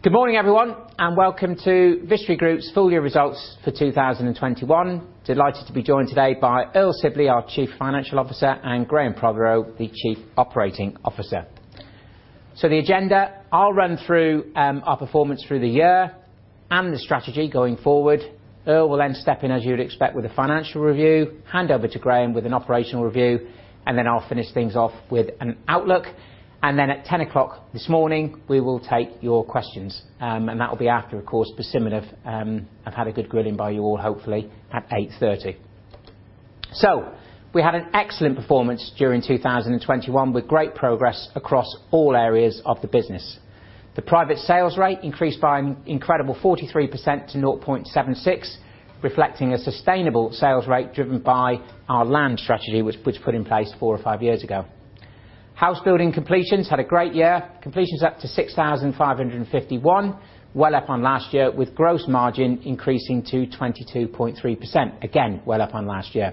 Good morning, everyone, and welcome to Vistry Group's full year results for 2021. Delighted to be joined today by Earl Sibley, our Chief Financial Officer, and Graham Prothero, the Chief Operating Officer. The agenda, I'll run through, our performance through the year and the strategy going forward. Earl will then step in, as you would expect, with a financial review, hand over to Graham with an operational review, and then I'll finish things off with an outlook. At 10:00 A.M. this morning, we will take your questions, and that will be after, of course, Persimmon have had a good grilling by you all, hopefully at 8:30 A.M. We had an excellent performance during 2021, with great progress across all areas of the business. The private sales rate increased by an incredible 43% to 0.76, reflecting a sustainable sales rate driven by our land strategy, which was put in place four or five years ago. House building completions had a great year. Completions up to 6,551, well up on last year, with gross margin increasing to 22.3%, again, well up on last year.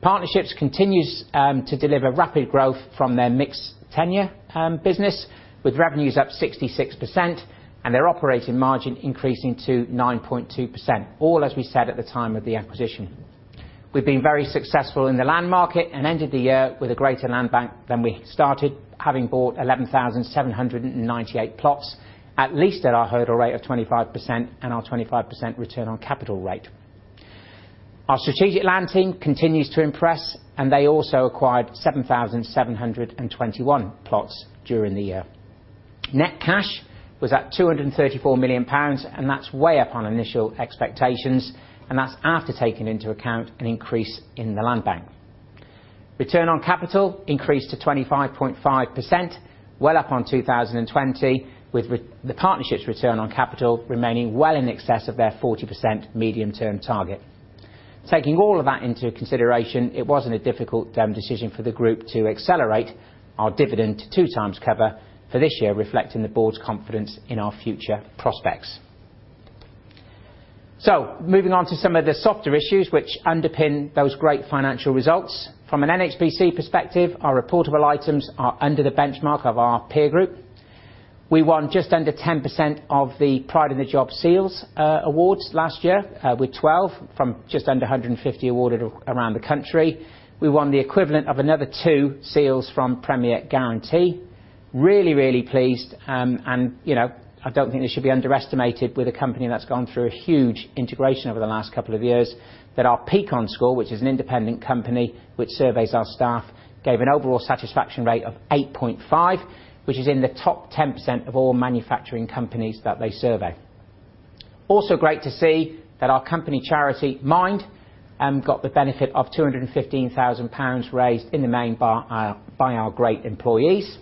Partnerships continues to deliver rapid growth from their mixed tenure business, with revenues up 66% and their operating margin increasing to 9.2%, all as we said at the time of the acquisition. We've been very successful in the land market and ended the year with a greater land bank than we started, having bought 11,798 plots, at least at our hurdle rate of 25% and our 25% return on capital rate. Our strategic land team continues to impress, and they also acquired 7,721 plots during the year. Net cash was at 234 million pounds, and that's way up on initial expectations, and that's after taking into account an increase in the land bank. Return on capital increased to 25.5%, well up on 2020, with the Partnerships return on capital remaining well in excess of their 40% medium-term target. Taking all of that into consideration, it wasn't a difficult decision for the group to accelerate our dividend to two times cover for this year, reflecting the board's confidence in our future prospects. Moving on to some of the softer issues which underpin those great financial results. From an NHBC perspective, our reportable items are under the benchmark of our peer group. We won just under 10% of the Pride in the Job seals awards last year, with 12 from just under 150 awarded around the country. We won the equivalent of another two seals from Premier Guarantee. Really, really pleased, you know, I don't think this should be underestimated with a company that's gone through a huge integration over the last couple of years, that our Peakon score, which is an independent company which surveys our staff, gave an overall satisfaction rate of 8.5, which is in the top 10% of all manufacturing companies that they survey. Also great to see that our company charity, Mind, got the benefit of 215,000 pounds raised in the main by our great employees.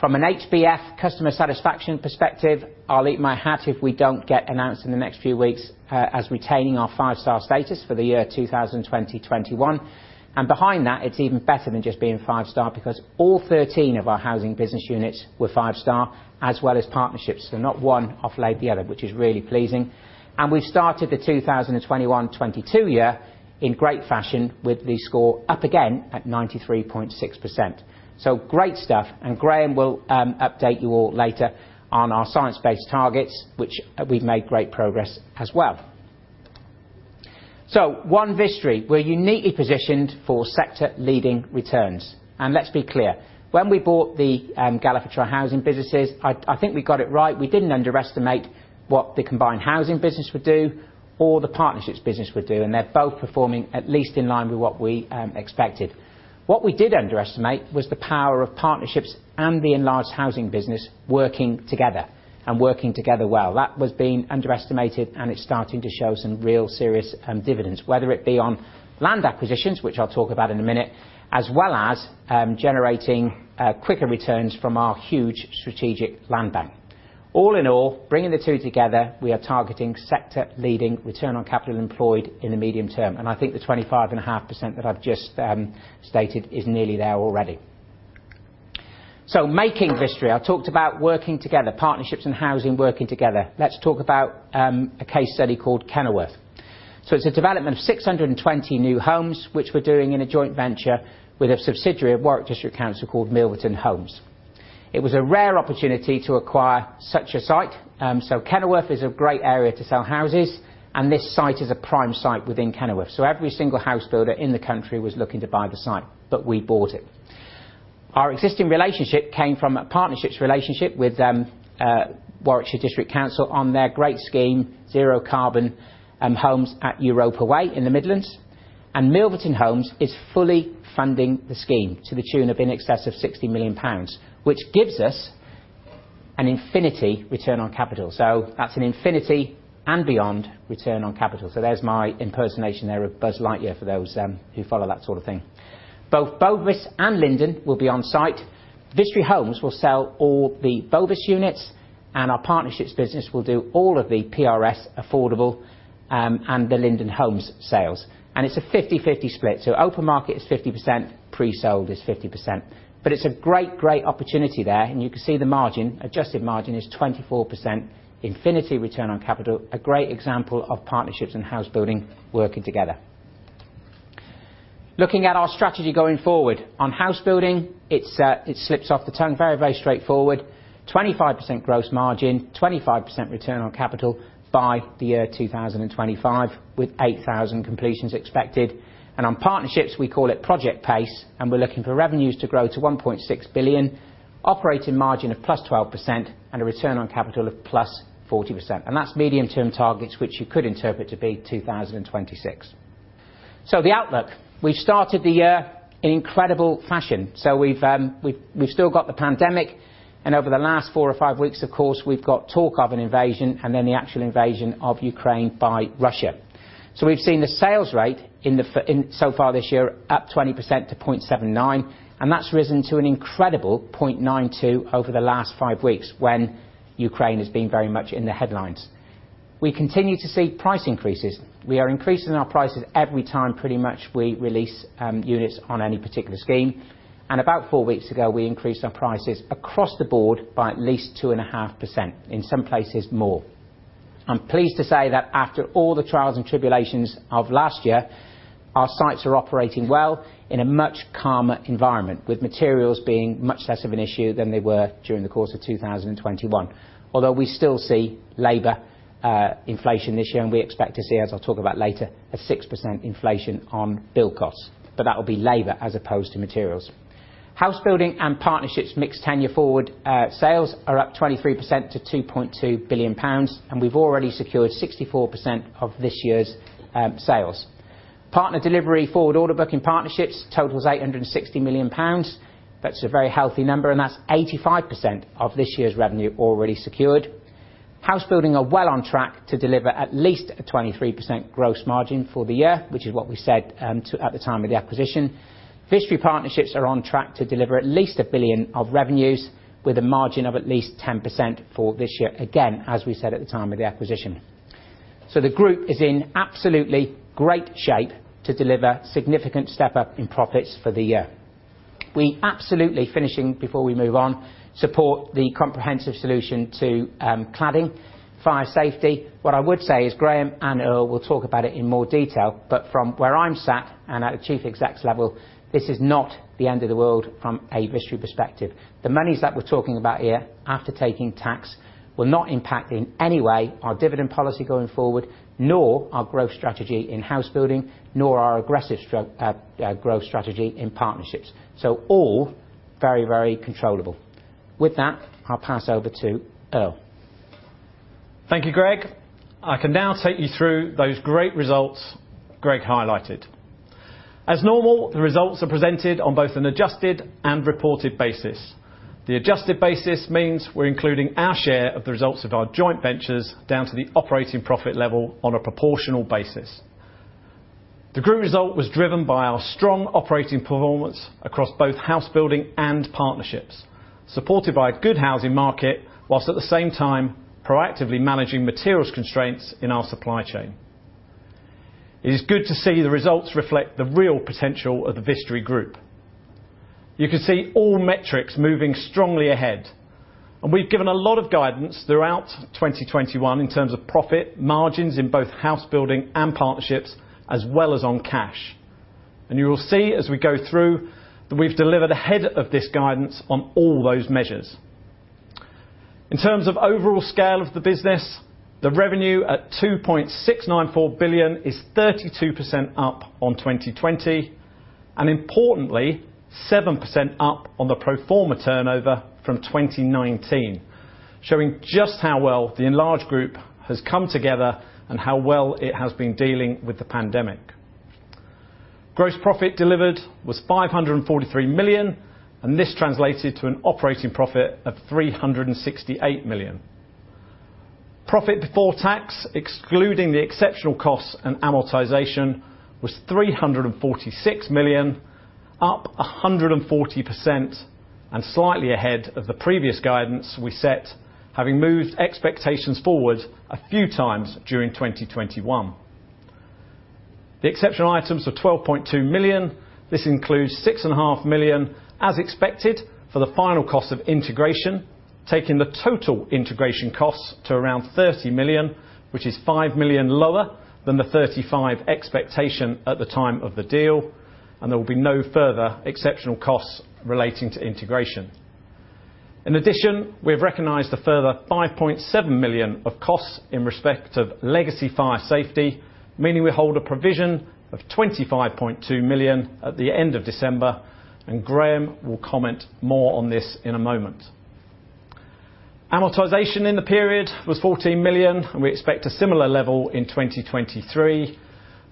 From an HBF customer satisfaction perspective, I'll eat my hat if we don't get announced in the next few weeks as retaining our five-star status for the year 2020/2021. Behind that, it's even better than just being five star because all 13 of our housing business units were five-star, as well as Partnerships. Not one offsets the other, which is really pleasing. We started the 2021/2022 year in great fashion with the score up again at 93.6%. Great stuff. Graham will update you all later on our Science Based Targets, which we've made great progress as well. One Vistry, we're uniquely positioned for sector-leading returns. Let's be clear, when we bought the Galliford Try housing businesses, I think we got it right. We didn't underestimate what the combined housing business would do or the Partnerships business would do, and they're both performing at least in line with what we expected. What we did underestimate was the power of partnerships and the enlarged housing business working together and working together well. That was being underestimated and it's starting to show some real serious dividends, whether it be on land acquisitions, which I'll talk about in a minute, as well as generating quicker returns from our huge strategic land bank. All in all, bringing the two together, we are targeting sector-leading return on capital employed in the medium term, and I think the 25.5% that I've just stated is nearly there already. Making Vistry, I talked about working together, partnerships and housing working together. Let's talk about a case study called Kenilworth. It's a development of 620 new homes, which we're doing in a joint venture with a subsidiary of Warwick District Council called Milverton Homes. It was a rare opportunity to acquire such a site. Kenilworth is a great area to sell houses, and this site is a prime site within Kenilworth. Every single house builder in the country was looking to buy the site, but we bought it. Our existing relationship came from a partnerships relationship with Warwick District Council on their great scheme, zero-carbon homes at Europa Way in the Midlands. Milverton Homes is fully funding the scheme to the tune of in excess of 60 million pounds, which gives us an infinite return on capital. That's an infinity and beyond return on capital. There's my impersonation there of Buzz Lightyear for those who follow that sort of thing. Both Bovis and Linden will be on site. Vistry Homes will sell all the Bovis units, and our Partnerships business will do all of the PRS affordable and the Linden Homes sales. It's a 50/50 split. Open market is 50%, pre-sold is 50%. It's a great opportunity there, and you can see the margin. Adjusted margin is 24%, infinite return on capital, a great example of partnerships and house building working together. Looking at our strategy going forward. On house building, it slips off the tongue very straightforward. 25% gross margin, 25% return on capital by 2025, with 8,000 completions expected. On Partnerships, we call it Project Pace, and we're looking for revenues to grow to 1.6 billion, operating margin of +12%, and a return on capital of +40%. That's medium term targets, which you could interpret to be 2025. The outlook, we started the year in incredible fashion. We've still got the pandemic, and over the last four or five weeks, of course, we've got talk of an invasion and then the actual invasion of Ukraine by Russia. We've seen the sales rate so far this year up 20% to 0.79, and that's risen to an incredible 0.92 over the last five weeks when Ukraine has been very much in the headlines. We continue to see price increases. We are increasing our prices every time pretty much we release units on any particular scheme. About four weeks ago, we increased our prices across the board by at least 2.5%, in some places more. I'm pleased to say that after all the trials and tribulations of last year, our sites are operating well in a much calmer environment, with materials being much less of an issue than they were during the course of 2021. Although we still see labor inflation this year, and we expect to see, as I'll talk about later, a 6% inflation on build costs. That will be labor as opposed to materials. Housebuilding and Partnerships mixed tenure forward sales are up 23% to 2.2 billion pounds, and we've already secured 64% of this year's sales. Partner delivery forward order book in Partnerships totals 860 million pounds. That's a very healthy number, and that's 85% of this year's revenue already secured. Housebuilding is well on track to deliver at least 23% gross margin for the year, which is what we said at the time of the acquisition. Vistry Partnerships are on track to deliver at least 1 billion of revenues with a margin of at least 10% for this year, again, as we said at the time of the acquisition. The group is in absolutely great shape to deliver significant step-up in profits for the year. We absolutely, finishing before we move on, support the comprehensive solution to cladding, fire safety. What I would say is Graham and Earl will talk about it in more detail, but from where I'm sat and at a chief exec's level, this is not the end of the world from a Vistry perspective. The monies that we're talking about here, after taking tax, will not impact in any way our dividend policy going forward, nor our growth strategy in house building, nor our aggressive growth strategy in partnerships. All very, very controllable. With that, I'll pass over to Earl. Thank you, Greg. I can now take you through those great results Greg highlighted. As normal, the results are presented on both an adjusted and reported basis. The adjusted basis means we're including our share of the results of our joint ventures down to the operating profit level on a proportional basis. The group result was driven by our strong operating performance across both Housebuilding and Partnerships, supported by a good housing market, while at the same time proactively managing materials constraints in our supply chain. It is good to see the results reflect the real potential of the Vistry Group. You can see all metrics moving strongly ahead, and we've given a lot of guidance throughout 2021 in terms of profit margins in both Housebuilding and Partnerships, as well as on cash. You will see as we go through that we've delivered ahead of this guidance on all those measures. In terms of overall scale of the business, the revenue at 2.694 billion is 32% up on 2020, and importantly, 7% up on the pro forma turnover from 2019, showing just how well the enlarged group has come together and how well it has been dealing with the pandemic. Gross profit delivered was 543 million, and this translated to an operating profit of 368 million. Profit before tax, excluding the exceptional costs and amortization, was 346 million, up 140% and slightly ahead of the previous guidance we set, having moved expectations forward a few times during 2021. The exceptional items were 12.2 million. This includes 6.5 million, as expected, for the final cost of integration, taking the total integration costs to around 30 million, which is 5 million lower than the 35% expectation at the time of the deal, and there will be no further exceptional costs relating to integration. In addition, we have recognized a further 5.7 million of costs in respect of legacy fire safety, meaning we hold a provision of 25.2 million at the end of December, and Graham will comment more on this in a moment. Amortization in the period was 14 million, and we expect a similar level in 2023.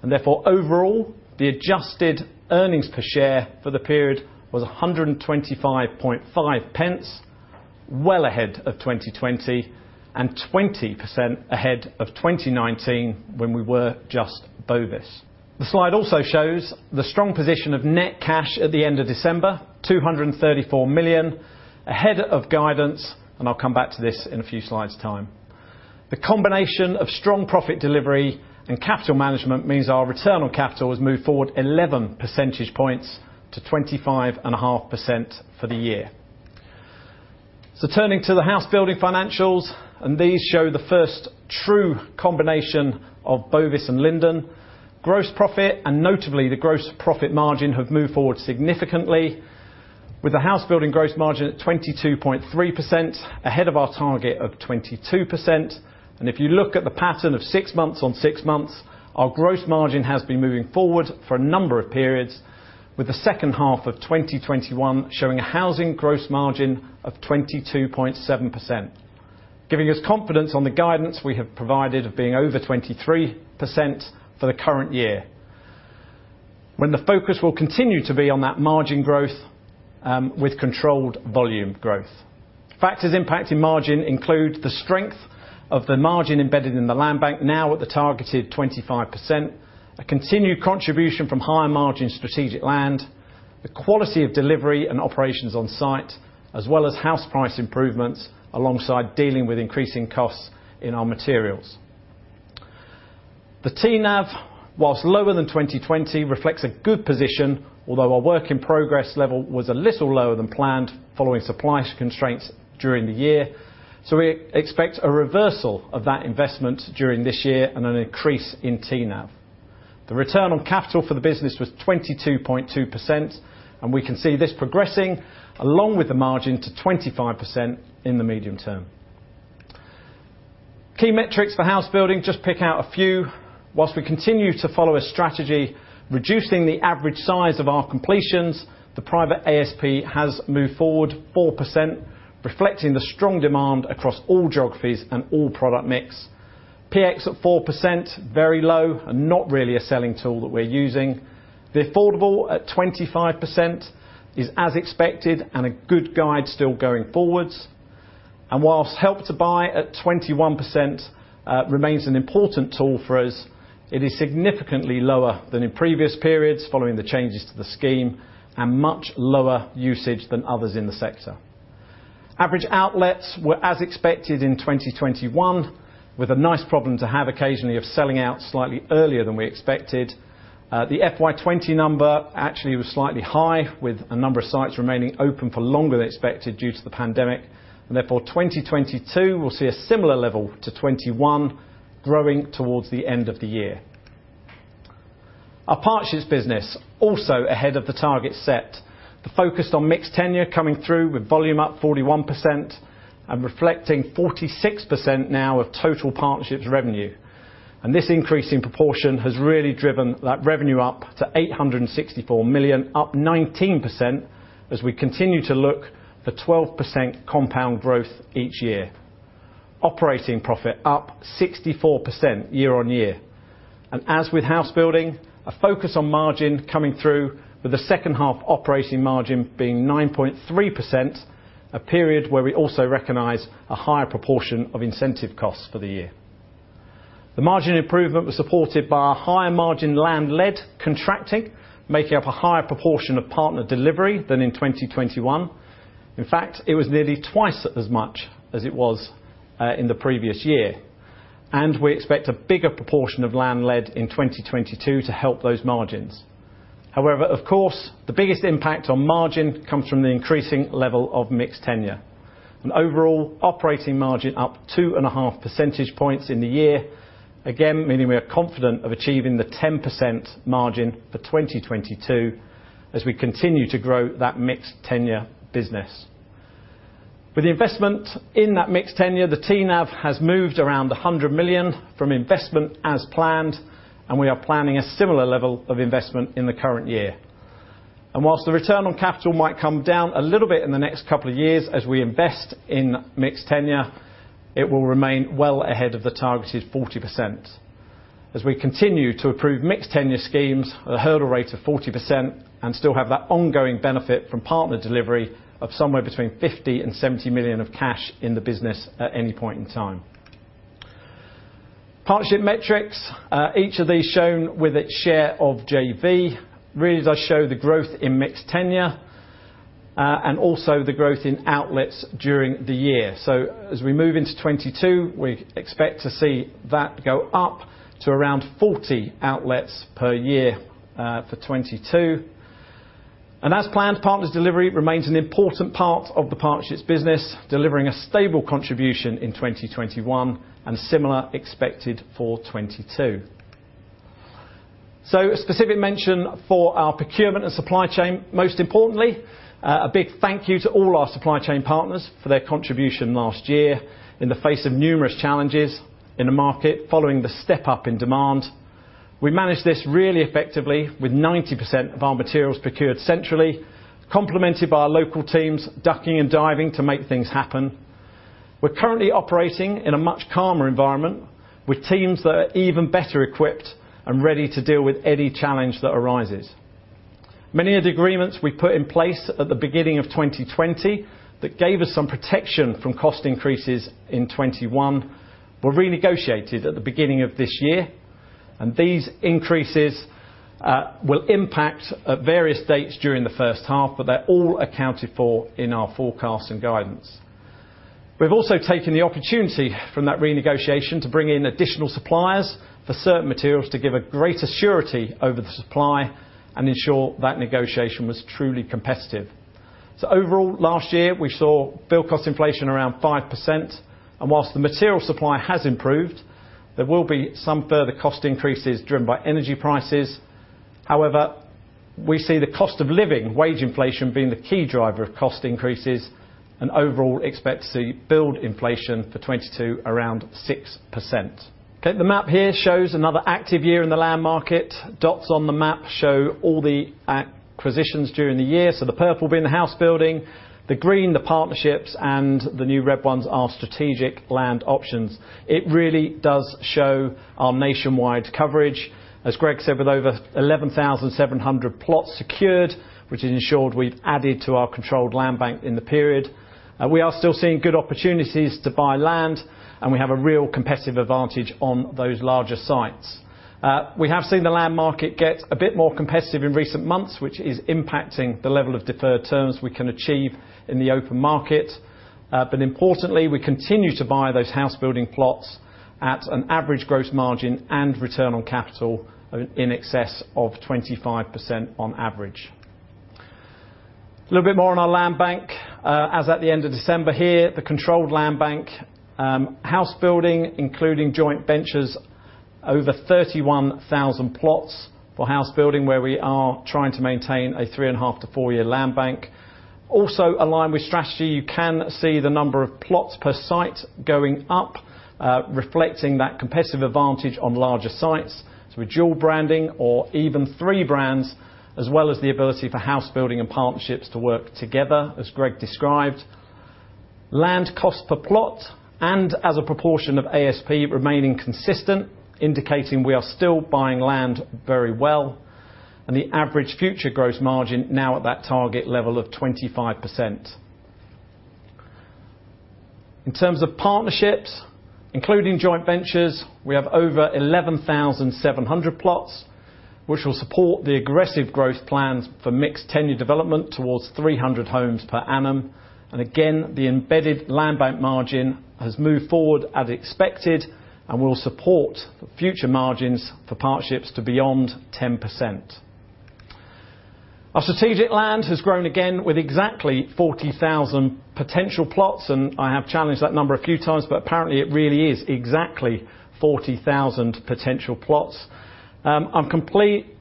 Therefore, overall, the adjusted earnings per share for the period was 125.5p, well ahead of 2020 and 20% ahead of 2019 when we were just Bovis. The slide also shows the strong position of net cash at the end of December, 234 million, ahead of guidance, and I'll come back to this in a few slides' time. The combination of strong profit delivery and capital management means our return on capital has moved forward 11 percentage points to 25.5% for the year. Turning to the housebuilding financials, and these show the first true combination of Bovis and Linden. Gross profit, and notably the gross profit margin, have moved forward significantly, with the housebuilding gross margin at 22.3%, ahead of our target of 22%. If you look at the pattern of six months on six months, our gross margin has been moving forward for a number of periods, with the second half of 2021 showing a housing gross margin of 22.7%, giving us confidence on the guidance we have provided of being over 23% for the current year. While the focus will continue to be on that margin growth, with controlled volume growth. Factors impacting margin include the strength of the margin embedded in the land bank now at the targeted 25%, a continued contribution from higher margin strategic land, the quality of delivery and operations on site, as well as house price improvements alongside dealing with increasing costs in our materials. The TNAV, while lower than 2020, reflects a good position, although our work in progress level was a little lower than planned following supply constraints during the year. We expect a reversal of that investment during this year and an increase in TNAV. The return on capital for the business was 22.2%, and we can see this progressing along with the margin to 25% in the medium term. Key metrics for house building, just pick out a few. While we continue to follow a strategy reducing the average size of our completions, the private ASP has moved forward 4%, reflecting the strong demand across all geographies and all product mix. PX at 4%, very low and not really a selling tool that we're using. The affordable at 25% is as expected and a good guide still going forward. While Help to Buy at 21%, remains an important tool for us, it is significantly lower than in previous periods following the changes to the scheme and much lower usage than others in the sector. Average outlets were as expected in 2021, with a nice problem to have occasionally of selling out slightly earlier than we expected. The FY 2020 number actually was slightly high, with a number of sites remaining open for longer than expected due to the pandemic, and therefore 2022 will see a similar level to 2021 growing towards the end of the year. Our Partnerships business also ahead of the target set. The focus on mixed tenure coming through with volume up 41% and reflecting 46% now of total Partnerships revenue. This increase in proportion has really driven that revenue up to 864 million, up 19% as we continue to look for 12% compound growth each year. Operating profit up 64% year-on-year. As with house building, a focus on margin coming through with the second half operating margin being 9.3%, a period where we also recognize a higher proportion of incentive costs for the year. The margin improvement was supported by our higher margin land-led contracting, making up a higher proportion of partner delivery than in 2021. In fact, it was nearly twice as much as it was in the previous year. We expect a bigger proportion of land-led in 2022 to help those margins. However, of course, the biggest impact on margin comes from the increasing level of mixed tenure. Overall operating margin up 2.5 percentage points in the year. Again, meaning we are confident of achieving the 10% margin for 2022 as we continue to grow that mixed tenure business. With the investment in that mixed tenure, the TNAV has moved around 100 million from investment as planned, and we are planning a similar level of investment in the current year. While the return on capital might come down a little bit in the next couple of years as we invest in mixed tenure, it will remain well ahead of the targeted 40%. We continue to approve mixed tenure schemes at a hurdle rate of 40% and still have that ongoing benefit from partner delivery of somewhere between 50 million-70 million of cash in the business at any point in time. Partnership metrics, each of these shown with its share of JV, really does show the growth in mixed tenure, and also the growth in outlets during the year. As we move into 2022, we expect to see that go up to around 40 outlets per year for 2022. As planned, partners delivery remains an important part of the Partnerships business, delivering a stable contribution in 2021 and similar expected for 2022. A specific mention for our procurement and supply chain. Most importantly, a big thank you to all our supply chain partners for their contribution last year in the face of numerous challenges in the market following the step up in demand. We managed this really effectively with 90% of our materials procured centrally, complemented by our local teams ducking and diving to make things happen. We're currently operating in a much calmer environment with teams that are even better equipped and ready to deal with any challenge that arises. Many of the agreements we put in place at the beginning of 2020 that gave us some protection from cost increases in 2021 were renegotiated at the beginning of this year. These increases will impact at various dates during the first half, but they're all accounted for in our forecasts and guidance. We've also taken the opportunity from that renegotiation to bring in additional suppliers for certain materials to give a greater surety over the supply and ensure that negotiation was truly competitive. Overall, last year, we saw build cost inflation around 5%, and while the material supply has improved, there will be some further cost increases driven by energy prices. However, we see the cost of living, wage inflation being the key driver of cost increases and overall expect to see build inflation for 2022 around 6%. Okay, the map here shows another active year in the land market. Dots on the map show all the acquisitions during the year. The purple being the Housebuilding, the green, the Partnerships, and the new red ones are strategic land options. It really does show our nationwide coverage. As Greg said, with over 11,700 plots secured, which has ensured we've added to our controlled land bank in the period. We are still seeing good opportunities to buy land, and we have a real competitive advantage on those larger sites. We have seen the land market get a bit more competitive in recent months, which is impacting the level of deferred terms we can achieve in the open market. Importantly, we continue to buy those housebuilding plots at an average gross margin and return on capital in excess of 25% on average. A little bit more on our land bank. As at the end of December here, the controlled land bank housebuilding, including joint ventures, over 31,000 plots for housebuilding, where we are trying to maintain a 3.5 to 4-year land bank. Aligned with strategy, you can see the number of plots per site going up, reflecting that competitive advantage on larger sites with dual branding or even three brands, as well as the ability for house building and partnerships to work together, as Greg described. Land cost per plot and as a proportion of ASP remaining consistent, indicating we are still buying land very well, and the average future gross margin now at that target level of 25%. In terms of Partnerships, including joint ventures, we have over 11,700 plots, which will support the aggressive growth plans for mixed tenure development towards 300 homes per annum. Again, the embedded land bank margin has moved forward as expected and will support the future margins for Partnerships to beyond 10%. Our strategic land has grown again with exactly 40,000 potential plots, and I have challenged that number a few times, but apparently it really is exactly 40,000 potential plots. I'm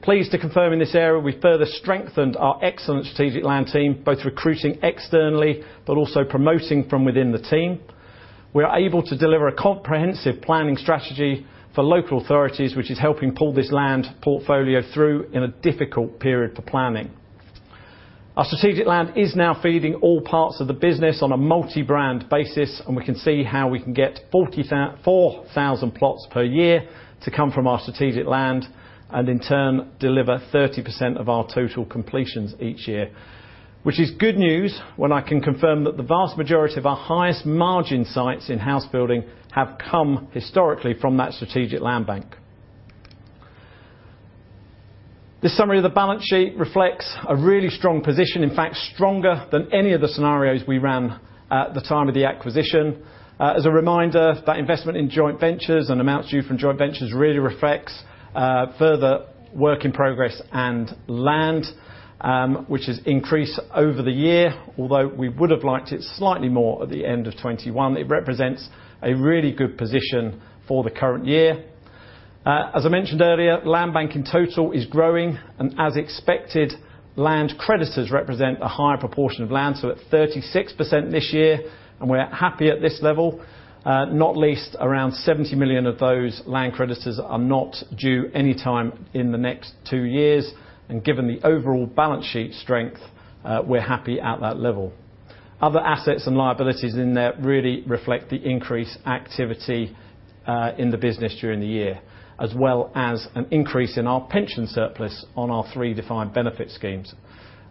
pleased to confirm in this area we further strengthened our excellent strategic land team, both recruiting externally, but also promoting from within the team. We are able to deliver a comprehensive planning strategy for local authorities, which is helping pull this land portfolio through in a difficult period for planning. Our strategic land is now feeding all parts of the business on a multi-brand basis, and we can see how we can get 4,000 plots per year to come from our strategic land and in turn, deliver 30% of our total completions each year. Which is good news when I can confirm that the vast majority of our highest margin sites in house building have come historically from that strategic land bank. This summary of the balance sheet reflects a really strong position, in fact, stronger than any of the scenarios we ran at the time of the acquisition. As a reminder, that investment in joint ventures and amounts due from joint ventures really reflects further work in progress and land, which has increased over the year, although we would have liked it slightly more at the end of 2021. It represents a really good position for the current year. As I mentioned earlier, land bank in total is growing and as expected, land creditors represent a higher proportion of land, so at 36% this year, and we're happy at this level. Not least around 70 million of those land creditors are not due any time in the next two years. Given the overall balance sheet strength, we're happy at that level. Other assets and liabilities in there really reflect the increased activity in the business during the year, as well as an increase in our pension surplus on our three defined benefit schemes.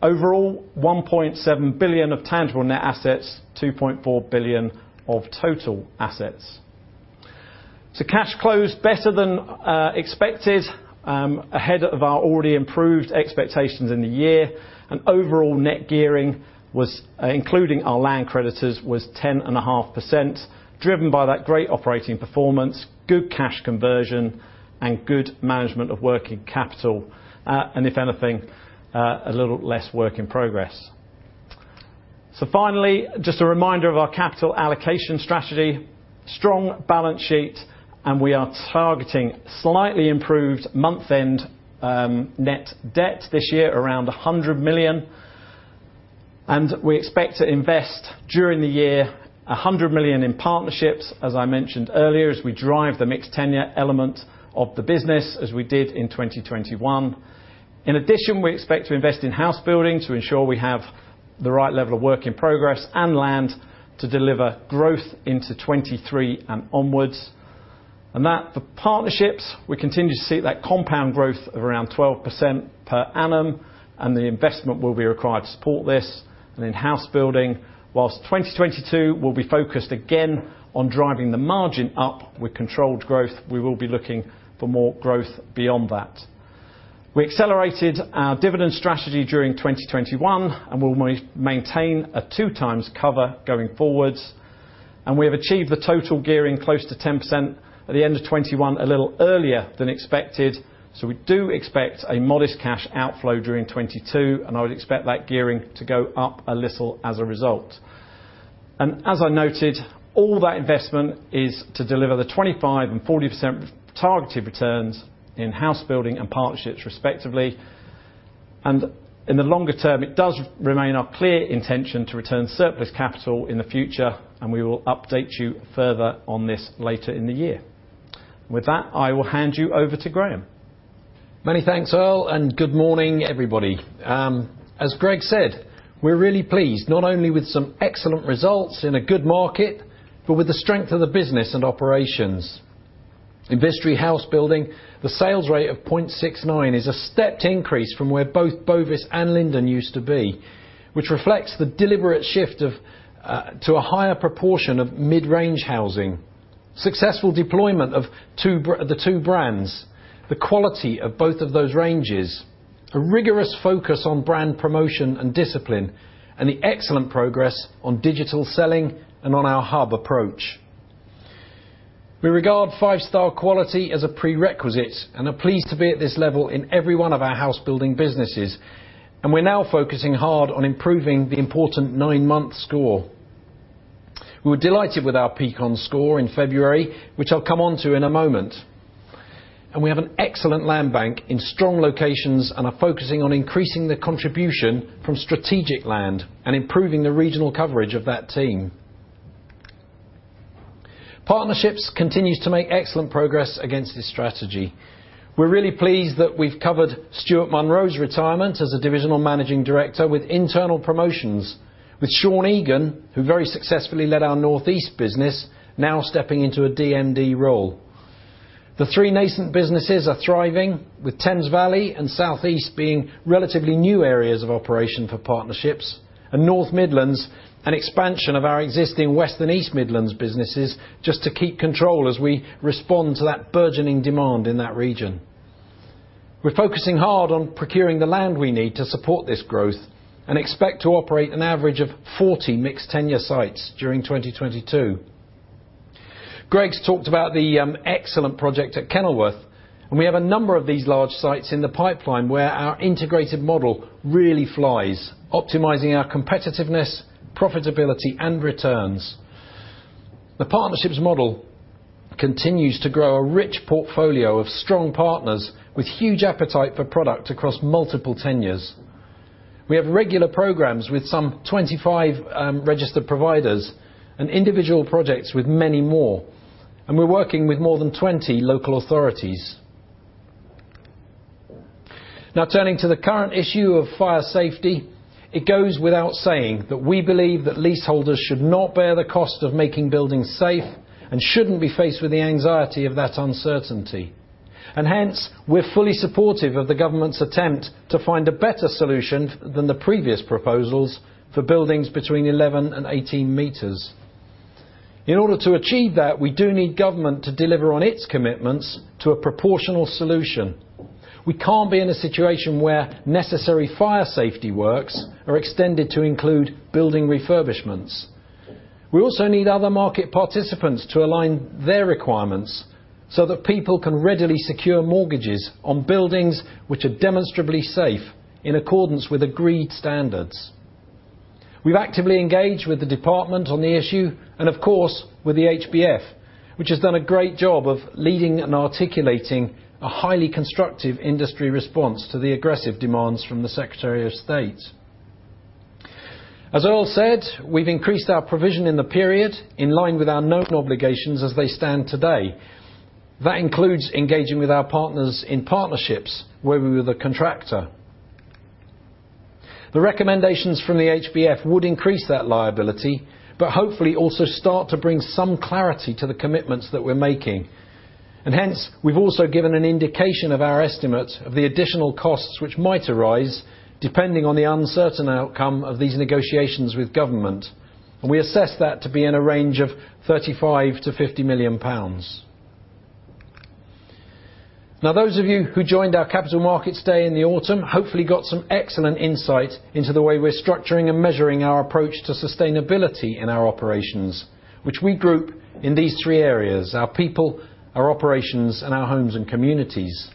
Overall, 1.7 billion of tangible net assets, 2.4 billion of total assets. Cash closed better than expected, ahead of our already improved expectations in the year. Overall net gearing was, including our land creditors, 10.5%, driven by that great operating performance, good cash conversion and good management of working capital, and if anything, a little less work in progress. Finally, just a reminder of our capital allocation strategy. Strong balance sheet and we are targeting slightly improved month-end net debt this year, around 100 million. We expect to invest during the year 100 million in Partnerships, as I mentioned earlier, as we drive the mixed tenure element of the business as we did in 2021. In addition, we expect to invest in Housebuilding to ensure we have the right level of work in progress and land to deliver growth into 2023 and onwards. We continue to see that compound growth of around 12% per annum for Partnerships and the investment will be required to support this. In Housebuilding, while 2022 will be focused again on driving the margin up with controlled growth, we will be looking for more growth beyond that. We accelerated our dividend strategy during 2021, and we'll maintain a 2x cover going forwards. We have achieved the total gearing close to 10% at the end of 2021 a little earlier than expected, so we do expect a modest cash outflow during 2022, and I would expect that gearing to go up a little as a result. As I noted, all that investment is to deliver the 25% and 40% targeted returns in Housebuilding and Partnerships respectively. In the longer term, it does remain our clear intention to return surplus capital in the future, and we will update you further on this later in the year. With that, I will hand you over to Graham. Many thanks, Earl, and good morning, everybody. As Greg said, we're really pleased, not only with some excellent results in a good market, but with the strength of the business and operations. In Vistry Housebuilding, the sales rate of 0.69 is a stepped increase from where both Bovis and Linden used to be, which reflects the deliberate shift to a higher proportion of mid-range housing, successful deployment of the two brands, the quality of both of those ranges, a rigorous focus on brand promotion and discipline, and the excellent progress on digital selling and on our hub approach. We regard five-star quality as a prerequisite and are pleased to be at this level in every one of our housebuilding businesses, and we're now focusing hard on improving the important nine-month score. We were delighted with our Peakon score in February, which I'll come onto in a moment. We have an excellent land bank in strong locations and are focusing on increasing the contribution from strategic land and improving the regional coverage of that team. Partnerships continues to make excellent progress against this strategy. We're really pleased that we've covered Stuart Munro's retirement as a divisional managing director with internal promotions, with Sean Egan, who very successfully led our North East business, now stepping into a DMD role. The three nascent businesses are thriving, with Thames Valley and South East being relatively new areas of operation for Partnerships, and North Midlands, an expansion of our existing West and East Midlands businesses just to keep control as we respond to that burgeoning demand in that region. We're focusing hard on procuring the land we need to support this growth and expect to operate an average of 40 mixed tenure sites during 2022. Greg's talked about the excellent project at Kenilworth, and we have a number of these large sites in the pipeline where our integrated model really flies, optimizing our competitiveness, profitability, and returns. The Partnerships model continues to grow a rich portfolio of strong partners with huge appetite for product across multiple tenures. We have regular programs with some 25 registered providers and individual projects with many more, and we're working with more than 20 local authorities. Now turning to the current issue of fire safety, it goes without saying that we believe that leaseholders should not bear the cost of making buildings safe and shouldn't be faced with the anxiety of that uncertainty. Hence, we're fully supportive of the government's attempt to find a better solution than the previous proposals for buildings between 11 m and 18 m. In order to achieve that, we do need government to deliver on its commitments to a proportional solution. We can't be in a situation where necessary fire safety works are extended to include building refurbishments. We also need other market participants to align their requirements so that people can readily secure mortgages on buildings which are demonstrably safe in accordance with agreed standards. We've actively engaged with the department on the issue and of course with the HBF, which has done a great job of leading and articulating a highly constructive industry response to the aggressive demands from the Secretary of State. As Earl said, we've increased our provision in the period in line with our known obligations as they stand today. That includes engaging with our partners in Partnerships, where we were the contractor. The recommendations from the HBF would increase that liability, but hopefully also start to bring some clarity to the commitments that we're making. Hence, we've also given an indication of our estimate of the additional costs which might arise depending on the uncertain outcome of these negotiations with government. We assess that to be in a range of 35 million-50 million pounds. Now those of you who joined our Capital Markets Day in the autumn hopefully got some excellent insight into the way we're structuring and measuring our approach to sustainability in our operations, which we group in these three areas, our people, our operations, and our homes and communities.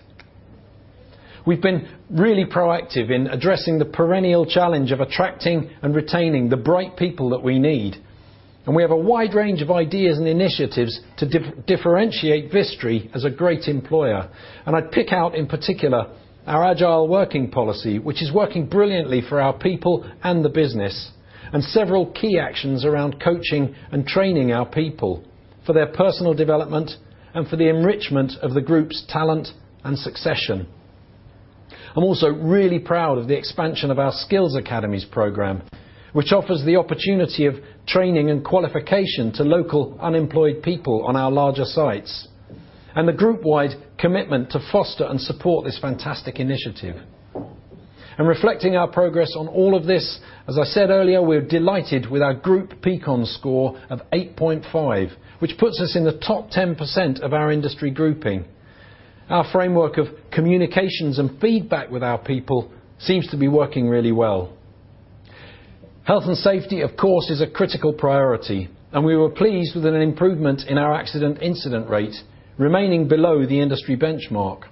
We've been really proactive in addressing the perennial challenge of attracting and retaining the bright people that we need. We have a wide range of ideas and initiatives to differentiate Vistry as a great employer. I'd pick out in particular our agile working policy, which is working brilliantly for our people and the business, and several key actions around coaching and training our people for their personal development and for the enrichment of the group's talent and succession. I'm also really proud of the expansion of our Skills Academies program, which offers the opportunity of training and qualification to local unemployed people on our larger sites, and the group-wide commitment to foster and support this fantastic initiative. Reflecting our progress on all of this, as I said earlier, we're delighted with our group Peakon score of 8.5, which puts us in the top 10% of our industry grouping. Our framework of communications and feedback with our people seems to be working really well. Health and safety, of course, is a critical priority, and we were pleased with an improvement in our accident incident rate, remaining below the industry benchmark.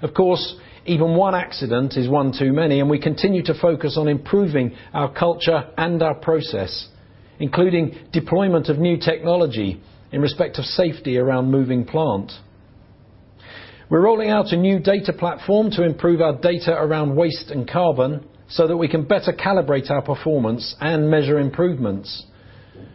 Of course, even one accident is one too many, and we continue to focus on improving our culture and our process, including deployment of new technology in respect of safety around moving plant. We're rolling out a new data platform to improve our data around waste and carbon so that we can better calibrate our performance and measure improvements.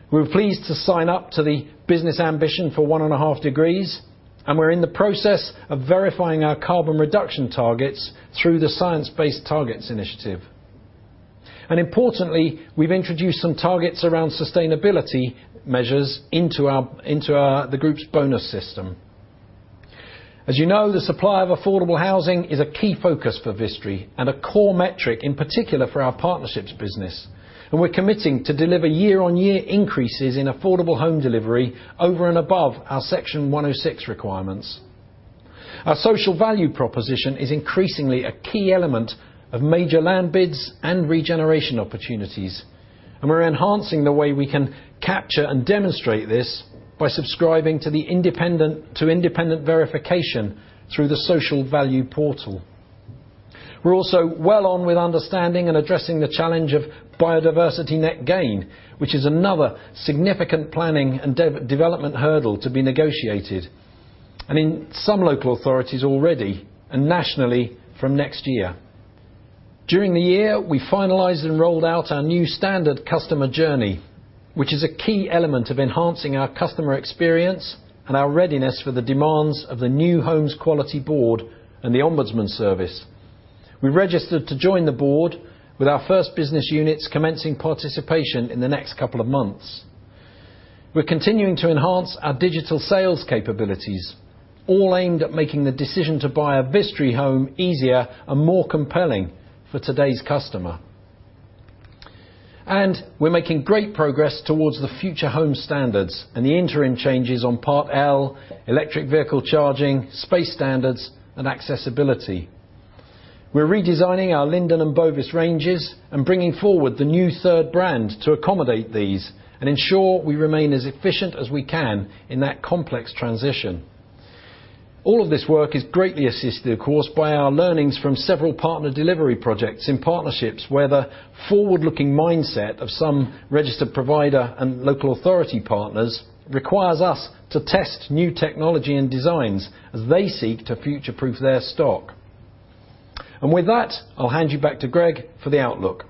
We're pleased to sign up to the Business Ambition for 1.5 degrees, and we're in the process of verifying our carbon reduction targets through the Science Based Targets initiative. Importantly, we've introduced some targets around sustainability measures into the group's bonus system. As you know, the supply of affordable housing is a key focus for Vistry and a core metric, in particular, for our Partnerships business. We're committing to deliver year-on-year increases in affordable home delivery over and above our Section 106 requirements. Our social value proposition is increasingly a key element of major land bids and regeneration opportunities, and we're enhancing the way we can capture and demonstrate this by subscribing to independent verification through the Social Value Portal. We're also well on with understanding and addressing the challenge of biodiversity net gain, which is another significant planning and development hurdle to be negotiated, and in some local authorities already and nationally from next year. During the year, we finalized and rolled out our new standard customer journey, which is a key element of enhancing our customer experience and our readiness for the demands of the New Homes Quality Board and the Ombudsman Service. We registered to join the board with our first business units commencing participation in the next couple of months. We're continuing to enhance our digital sales capabilities, all aimed at making the decision to buy a Vistry home easier and more compelling for today's customer. We're making great progress towards the future home standards and the interim changes on Part L, electric vehicle charging, space standards, and accessibility. We're redesigning our Linden and Bovis ranges and bringing forward the new third brand to accommodate these and ensure we remain as efficient as we can in that complex transition. All of this work is greatly assisted, of course, by our learnings from several partner delivery projects in Partnerships where the forward-looking mindset of some registered provider and local authority partners requires us to test new technology and designs as they seek to future-proof their stock. With that, I'll hand you back to Greg for the outlook.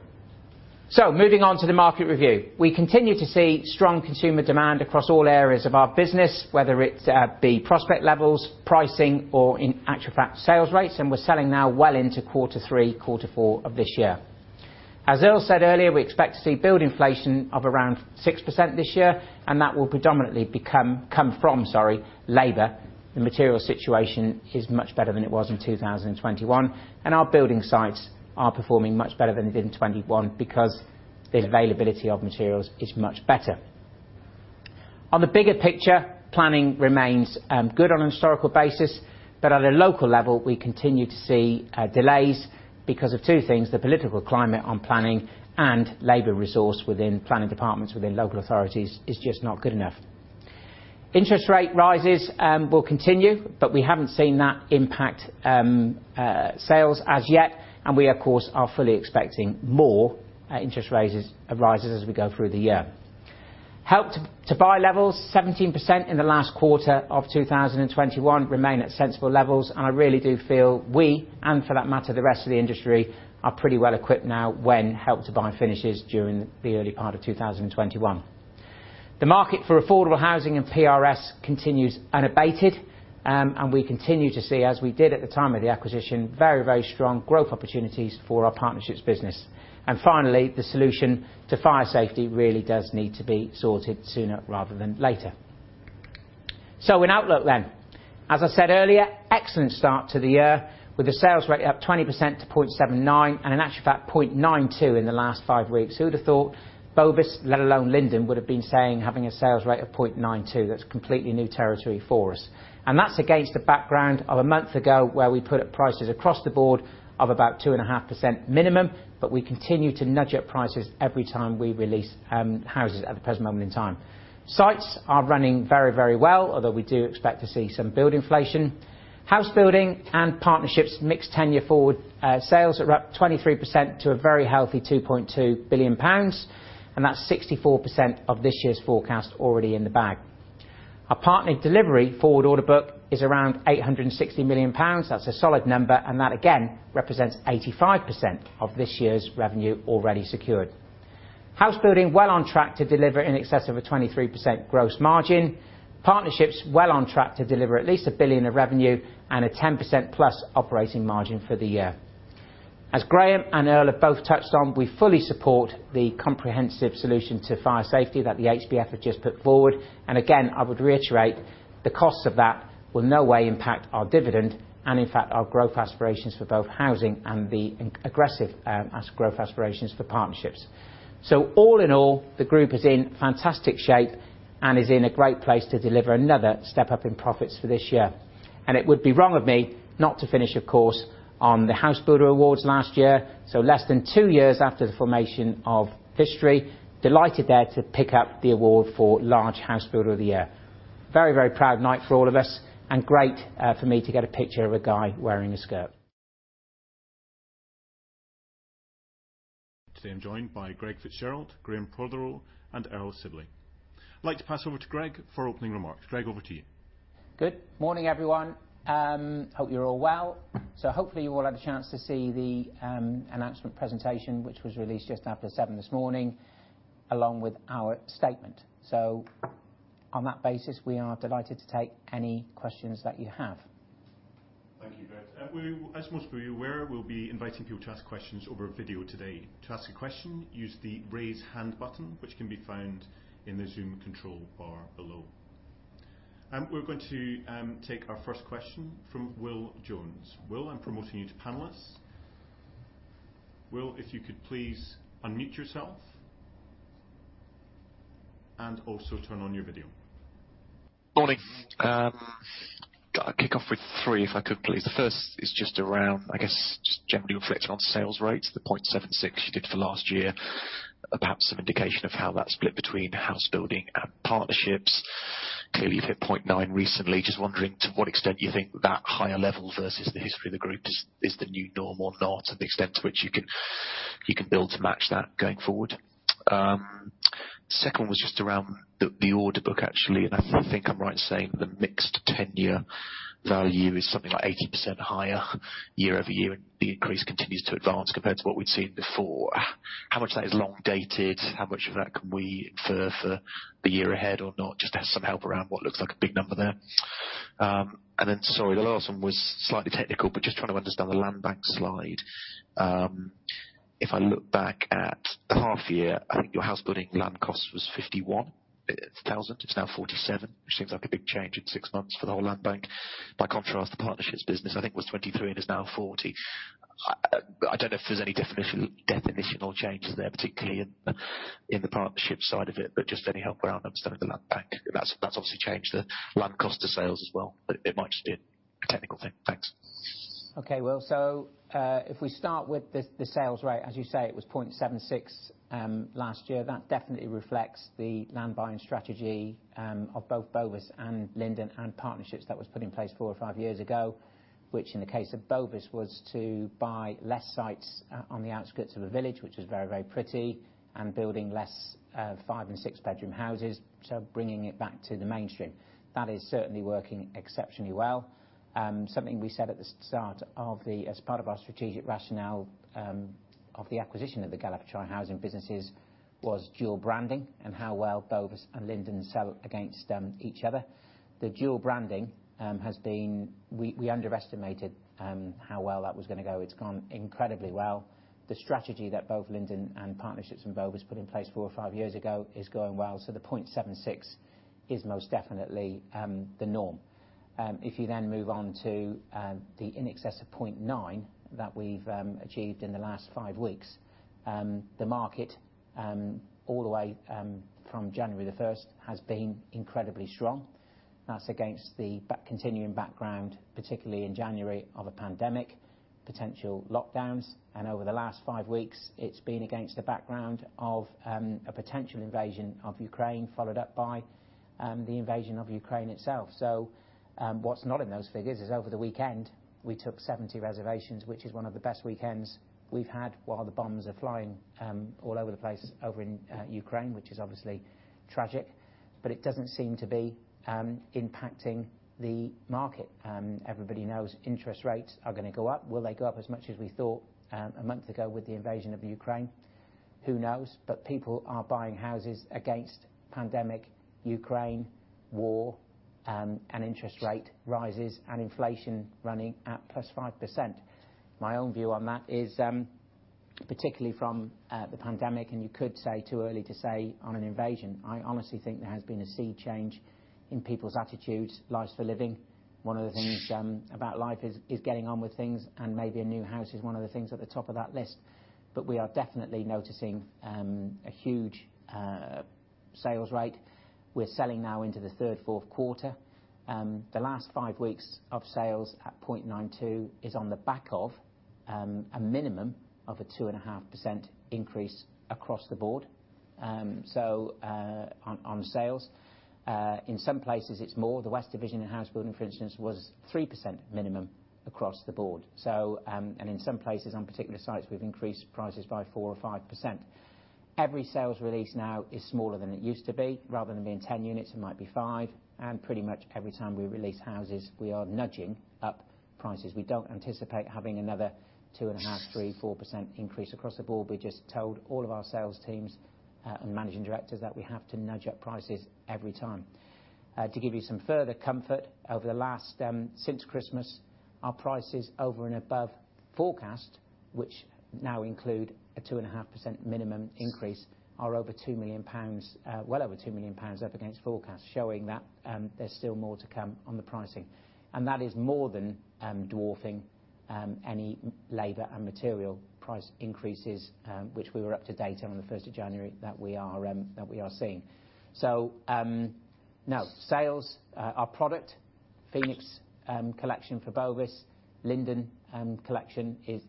Moving on to the market review. We continue to see strong consumer demand across all areas of our business, whether it be prospect levels, pricing, or in actual fact, sales rates. We're selling now well into quarter three, quarter four of this year. As Earl said earlier, we expect to see build inflation of around 6% this year, and that will predominantly come from labor. The material situation is much better than it was in 2021, and our building sites are performing much better than in 2021 because the availability of materials is much better. On the bigger picture, planning remains good on a historical basis, but at a local level, we continue to see delays because of two things, the political climate on planning and labor resource within planning departments, within local authorities is just not good enough. Interest rate rises will continue, but we haven't seen that impact on sales as yet, and we of course are fully expecting more interest rises as we go through the year. Help to Buy levels, 17% in the last quarter of 2021, remain at sensible levels, and I really do feel we, and for that matter, the rest of the industry, are pretty well equipped now when Help to Buy finishes during the early part of 2021. The market for affordable housing and PRS continues unabated, and we continue to see, as we did at the time of the acquisition, very, very strong growth opportunities for our Partnerships business. Finally, the solution to fire safety really does need to be sorted sooner rather than later. In outlook then, as I said earlier, excellent start to the year with the sales rate up 20% to 0.79 and in actual fact, 0.92 in the last five weeks. Who'd have thought Bovis, let alone Linden, would have been saying having a sales rate of 0.92? That's completely new territory for us. That's against the background of a month ago, where we put up prices across the board of about 2.5% minimum, but we continue to nudge up prices every time we release houses at the present moment in time. Sites are running very, very well, although we do expect to see some build inflation. Housebuilding and Partnerships mixed-tenure forward sales are up 23% to a very healthy 2.2 billion pounds, and that's 64% of this year's forecast already in the bag. Our partnered delivery forward order book is around 860 million pounds. That's a solid number, and that again represents 85% of this year's revenue already secured. Housebuilding well on track to deliver in excess of a 23% gross margin. Partnerships well on track to deliver at least 1 billion of revenue and a 10%+ operating margin for the year. As Graham and Earl have both touched on, we fully support the comprehensive solution to fire safety that the HBF have just put forward. Again, I would reiterate the cost of that will in no way impact our dividend and in fact our growth aspirations for both housing and the aggressive growth aspirations for Partnerships. All in all, the group is in fantastic shape and is in a great place to deliver another step up in profits for this year. It would be wrong of me not to finish, of course, on the Housebuilder Awards last year. Less than two years after the formation of Vistry, delighted there to pick up the award for Large Housebuilder of the Year. Very, very proud night for all of us, and great for me to get a picture of a guy wearing a skirt. Today I'm joined by Greg Fitzgerald, Graham Prothero, and Earl Sibley. I'd like to pass over to Greg for opening remarks. Greg, over to you. Good morning, everyone. Hope you're all well. Hopefully you all had a chance to see the announcement presentation, which was released just after 7:00 this morning, along with our statement. On that basis, we are delighted to take any questions that you have. Thank you, Greg. As most of you are aware, we'll be inviting people to ask questions over video today. To ask a question, use the Raise Hand button, which can be found in the Zoom control bar below. We're going to take our first question from Will Jones. Will, I'm promoting you to panelist. Will, if you could please unmute yourself and also turn on your video. Morning. Kick off with three, if I could, please. The first is just around, I guess, just generally reflecting on sales rates, the 0.76 you did for last year. Perhaps some indication of how that's split between Housebuilding and Partnerships. Clearly, you've hit 0.9 recently. Just wondering to what extent you think that higher level versus the history of the group is the new normal or not, and the extent to which you can build to match that going forward. Second one was just around the order book, actually, and I think I'm right in saying the mixed tenure value is something like 80% higher year-over-year, and the increase continues to advance compared to what we'd seen before. How much of that is long-dated? How much of that can we infer for the year ahead or not? Just to have some help around what looks like a big number there. Sorry, the last one was slightly technical, but just trying to understand the landbank slide. If I look back at half year, I think your housebuilding land cost was 51,000. It's now 47,000, which seems like a big change in six months for the whole landbank. By contrast, the Partnerships business, I think was 23 and is now 40. I don't know if there's any definitional changes there, particularly in the partnerships side of it, but just any help around understanding the landbank. That's obviously changed the land cost to sales as well. But it might just be a technical thing. Thanks. Okay, Will. If we start with the sales rate, as you say, it was 0.76 last year. That definitely reflects the land buying strategy of both Bovis and Linden and Partnerships that was put in place four or five years ago. Which in the case of Bovis was to buy less sites on the outskirts of a village, which was very pretty, and building less five- and six-bedroom houses. Bringing it back to the mainstream. That is certainly working exceptionally well. Something we said at the start as part of our strategic rationale of the acquisition of the Galliford Try housing businesses was dual branding and how well Bovis and Linden sell against each other. The dual branding has been. We underestimated how well that was gonna go. It's gone incredibly well. The strategy that both Linden and Partnerships and Bovis put in place four or five years ago is going well. The 0.76 is most definitely the norm. If you then move on to the in excess of 0.9 that we've achieved in the last five weeks, the market all the way from January 1st has been incredibly strong. That's against the continuing background, particularly in January, of a pandemic, potential lockdowns. Over the last five weeks, it's been against a background of a potential invasion of Ukraine, followed up by the invasion of Ukraine itself. What's not in those figures is over the weekend, we took 70 reservations, which is one of the best weekends we've had while the bombs are flying all over the place over in Ukraine, which is obviously tragic. It doesn't seem to be impacting the market. Everybody knows interest rates are gonna go up. Will they go up as much as we thought a month ago with the invasion of Ukraine? Who knows? People are buying houses against pandemic Ukraine war and interest rate rises and inflation running at +5%. My own view on that is, particularly from the pandemic, and you could say too early to say on an invasion, I honestly think there has been a sea change in people's attitudes, lives for living. One of the things about life is getting on with things and maybe a new house is one of the things at the top of that list. We are definitely noticing a huge sales rate. We're selling now into the third, fourth quarter. The last five weeks of sales at 0.92 is on the back of a minimum of a 2.5% increase across the board on sales. In some places it's more. The West Division in Housebuilding, for instance, was 3% minimum across the board. In some places on particular sites, we've increased prices by 4% or 5%. Every sales release now is smaller than it used to be. Rather than being 10 units, it might be five. Pretty much every time we release houses, we are nudging up prices. We don't anticipate having another 2.5%, 3%, 4% increase across the board. We just told all of our sales teams and managing directors that we have to nudge up prices every time. To give you some further comfort, over the last since Christmas, our prices over and above forecast, which now include a 2.5% minimum increase, are over 2 million pounds, well over 2 million pounds up against forecast, showing that there's still more to come on the pricing. That is more than dwarfing any labor and material price increases, which we were up to date on as of the 1st of January that we are seeing. Now sales our product Phoenix Collection for Bovis, Linden Collection is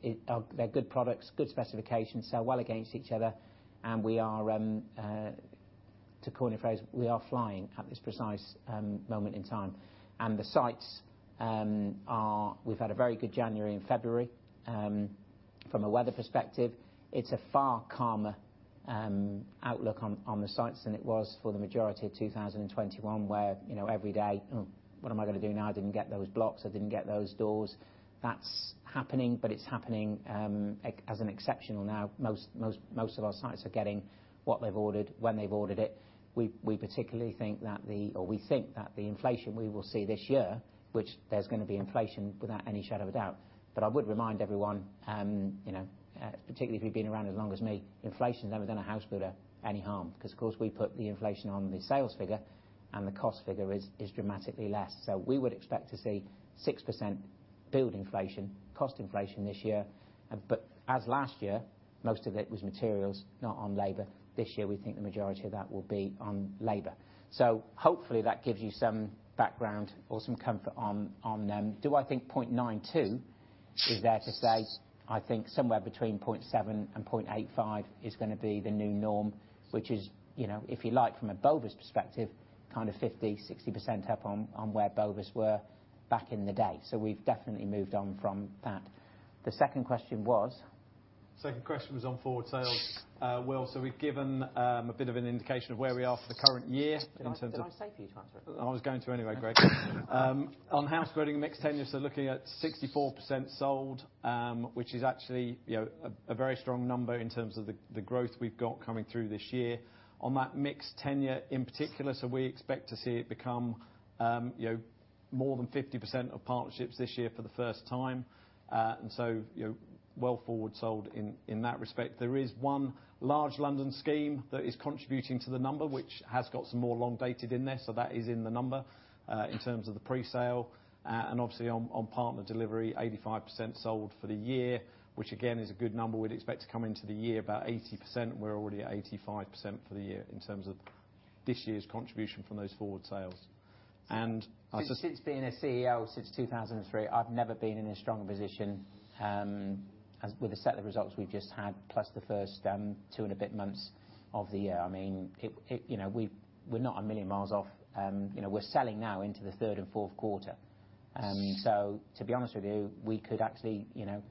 they're good products, good specifications, sell well against each other, and we are to coin a phrase, we are flying at this precise moment in time. The sites are. We've had a very good January and February from a weather perspective. It's a far calmer outlook on the sites than it was for the majority of 2021, where, you know, every day, "Oh, what am I gonna do now? I didn't get those blocks. I didn't get those doors." That's happening, but it's happening as an exception now, most of our sites are getting what they've ordered when they've ordered it. We particularly think that the We think that the inflation we will see this year, which there's gonna be inflation without any shadow of a doubt. I would remind everyone, you know, particularly if you've been around as long as me, inflation's never done a house builder any harm, 'cause of course we put the inflation on the sales figure, and the cost figure is dramatically less. We would expect to see 6% build inflation, cost inflation this year. As last year, most of it was materials not on labor. This year we think the majority of that will be on labor. Hopefully that gives you some background or some comfort on them. Do I think 0.92 is there to stay? I think somewhere between 0.7 and 0.85 is gonna be the new norm, which is, you know, if you like from a Bovis perspective, kind of 50%-60% up on where Bovis were back in the day. We've definitely moved on from that. The second question was? Second question was on forward sales, Will. We've given a bit of an indication of where we are for the current year in terms of- Did I say for you to answer it? I was going to anyway, Greg. On housebuilding mixed tenure, looking at 64% sold, which is actually, you know, a very strong number in terms of the growth we've got coming through this year. On that mixed tenure in particular, we expect to see it become, you know, more than 50% of partnerships this year for the first time. You know, well forward sold in that respect. There is one large London scheme that is contributing to the number, which has got some more long dated in there. That is in the number in terms of the presale. Obviously on partner delivery, 85% sold for the year, which again is a good number. We'd expect to come into the year about 80%. We're already at 85% for the year in terms of this year's contribution from those forward sales. Since being a CEO since 2003, I've never been in a stronger position as with the set of results we've just had, plus the first two and a bit months of the year. I mean, you know, we're not a million miles off. You know, we're selling now into the third and fourth quarter. So to be honest with you, we could actually, you know,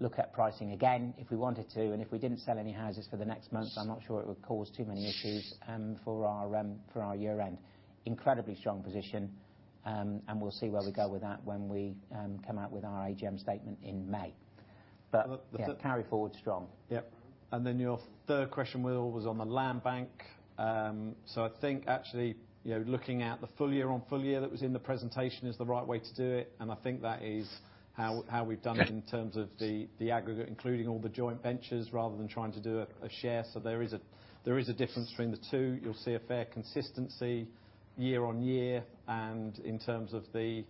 look at pricing again if we wanted to, and if we didn't sell any houses for the next month, I'm not sure it would cause too many issues for our year end. Incredibly strong position. We'll see where we go with that when we come out with our AGM statement in May. The, the- Carry forward strong. Yep. Then your third question, Will, was on the land bank. I think actually, you know, looking at the full year on full year that was in the presentation is the right way to do it. I think that is how we've done it. Okay.... in terms of the aggregate, including all the joint ventures rather than trying to do a share. There is a difference between the two. You'll see a fair consistency year-on-year and in terms of the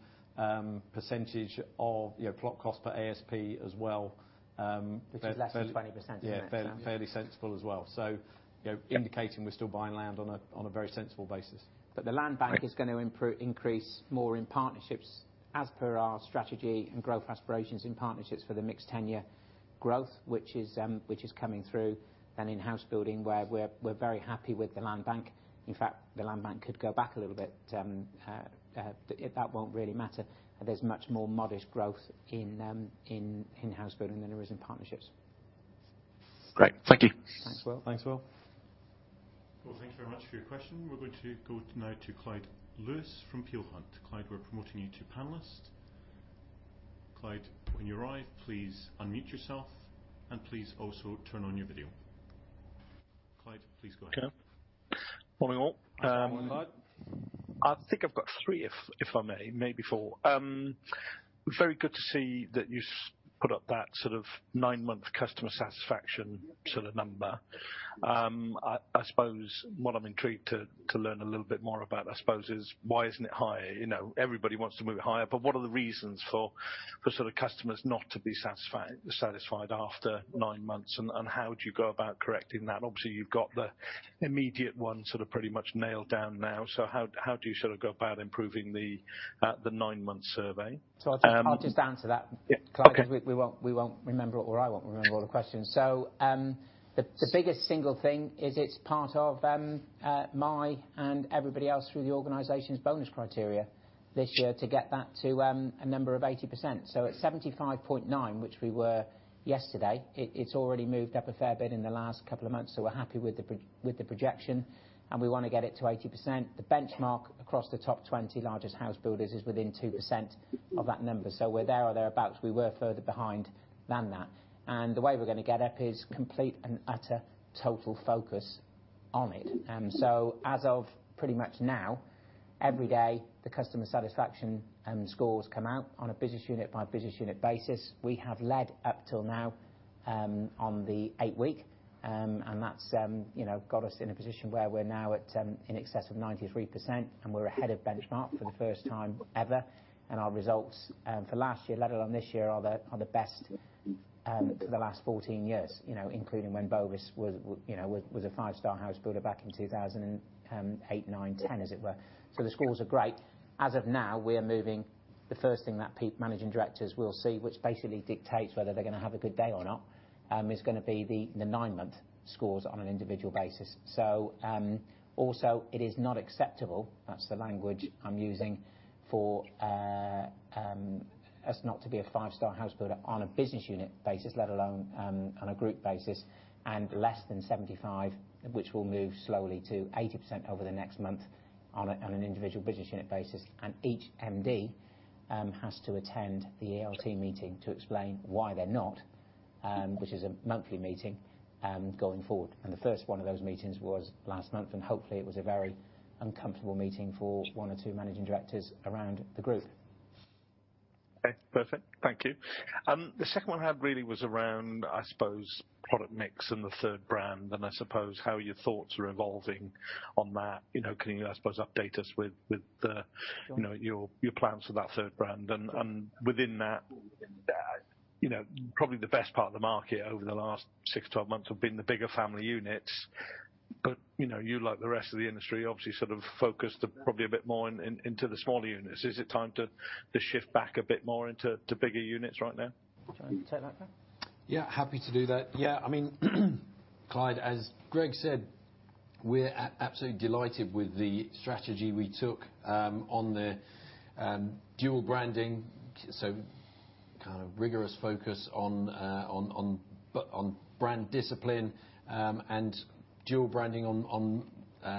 percentage of, you know, plot cost per ASP as well. Which is less than 20%. Yeah. Fairly sensible as well. You know, indicating we're still buying land on a very sensible basis. The land bank is gonna increase more in partnerships as per our strategy and growth aspirations in partnerships for the mixed tenure growth, which is coming through than in house building where we're very happy with the land bank. In fact, the land bank could go back a little bit. That won't really matter. There's much more modest growth in Housebuilding than there is in Partnerships. Great. Thank you. Thanks, Will. Thanks, Will. Well, thank you very much for your question. We're going to go now to Clyde Lewis from Peel Hunt. Clyde, we're promoting you to panelist. Clyde, when you arrive, please unmute yourself, and please also turn on your video. Clyde, please go ahead. Okay. Morning, all. Morning, Clyde. I think I've got three, if I may, maybe four. Very good to see that you put up that sort of nine-month customer satisfaction sort of number. I suppose what I'm intrigued to learn a little bit more about, I suppose, is why isn't it higher? You know, everybody wants to move it higher, but what are the reasons for sort of customers not to be satisfied after nine months? How do you go about correcting that? Obviously, you've got the immediate one sort of pretty much nailed down now. How do you sort of go about improving the nine-month survey? I'll just answer that. Yeah. Okay Clyde, 'cause we won't remember or I won't remember all the questions. The biggest single thing is it's part of my and everybody else through the organization's bonus criteria this year to get that to a number of 80%. So at 75.9%, which we were yesterday, it's already moved up a fair bit in the last couple of months, so we're happy with the projection, and we wanna get it to 80%. The benchmark across the top 20 largest house builders is within 2% of that number. So we're there or thereabouts. We were further behind than that. The way we're gonna get it up is complete and utter total focus on it. As of pretty much now, every day, the customer satisfaction scores come out on a business unit by business unit basis. We have led up till now on the eight-week. That's you know got us in a position where we're now at in excess of 93%, and we're ahead of benchmark for the first time ever. Our results for last year let alone this year are the best for the last 14 years, you know, including when Bovis was a five-star Housebuilder back in 2008, 2009, 2010, as it were. The scores are great. As of now, we're moving. The first thing that managing directors will see, which basically dictates whether they're gonna have a good day or not, is gonna be the nine-month scores on an individual basis. Also, it is not acceptable, that's the language I'm using, for us not to be a five-star house builder on a business unit basis, let alone on a group basis, and less than 75%, which will move slowly to 80% over the next month on an individual business unit basis. Each MD has to attend the ALT meeting to explain why they're not, which is a monthly meeting going forward. The first one of those meetings was last month, and hopefully it was a very uncomfortable meeting for one or two managing directors around the group. Okay, perfect. Thank you. The second one I had really was around, I suppose, product mix and the third brand, and I suppose how your thoughts are evolving on that. You know, can you, I suppose, update us with the- Sure. You know, your plans for that third brand? Within that, you know, probably the best part of the market over the last 6-12 months have been the bigger family units. You know, you, like the rest of the industry, obviously sort of focused probably a bit more into the smaller units. Is it time to shift back a bit more into bigger units right now? Do you want to take that, Graham? Yeah, happy to do that. Yeah. I mean, Clyde, as Greg said, we're absolutely delighted with the strategy we took on the dual branding. Kind of rigorous focus on brand discipline and dual branding on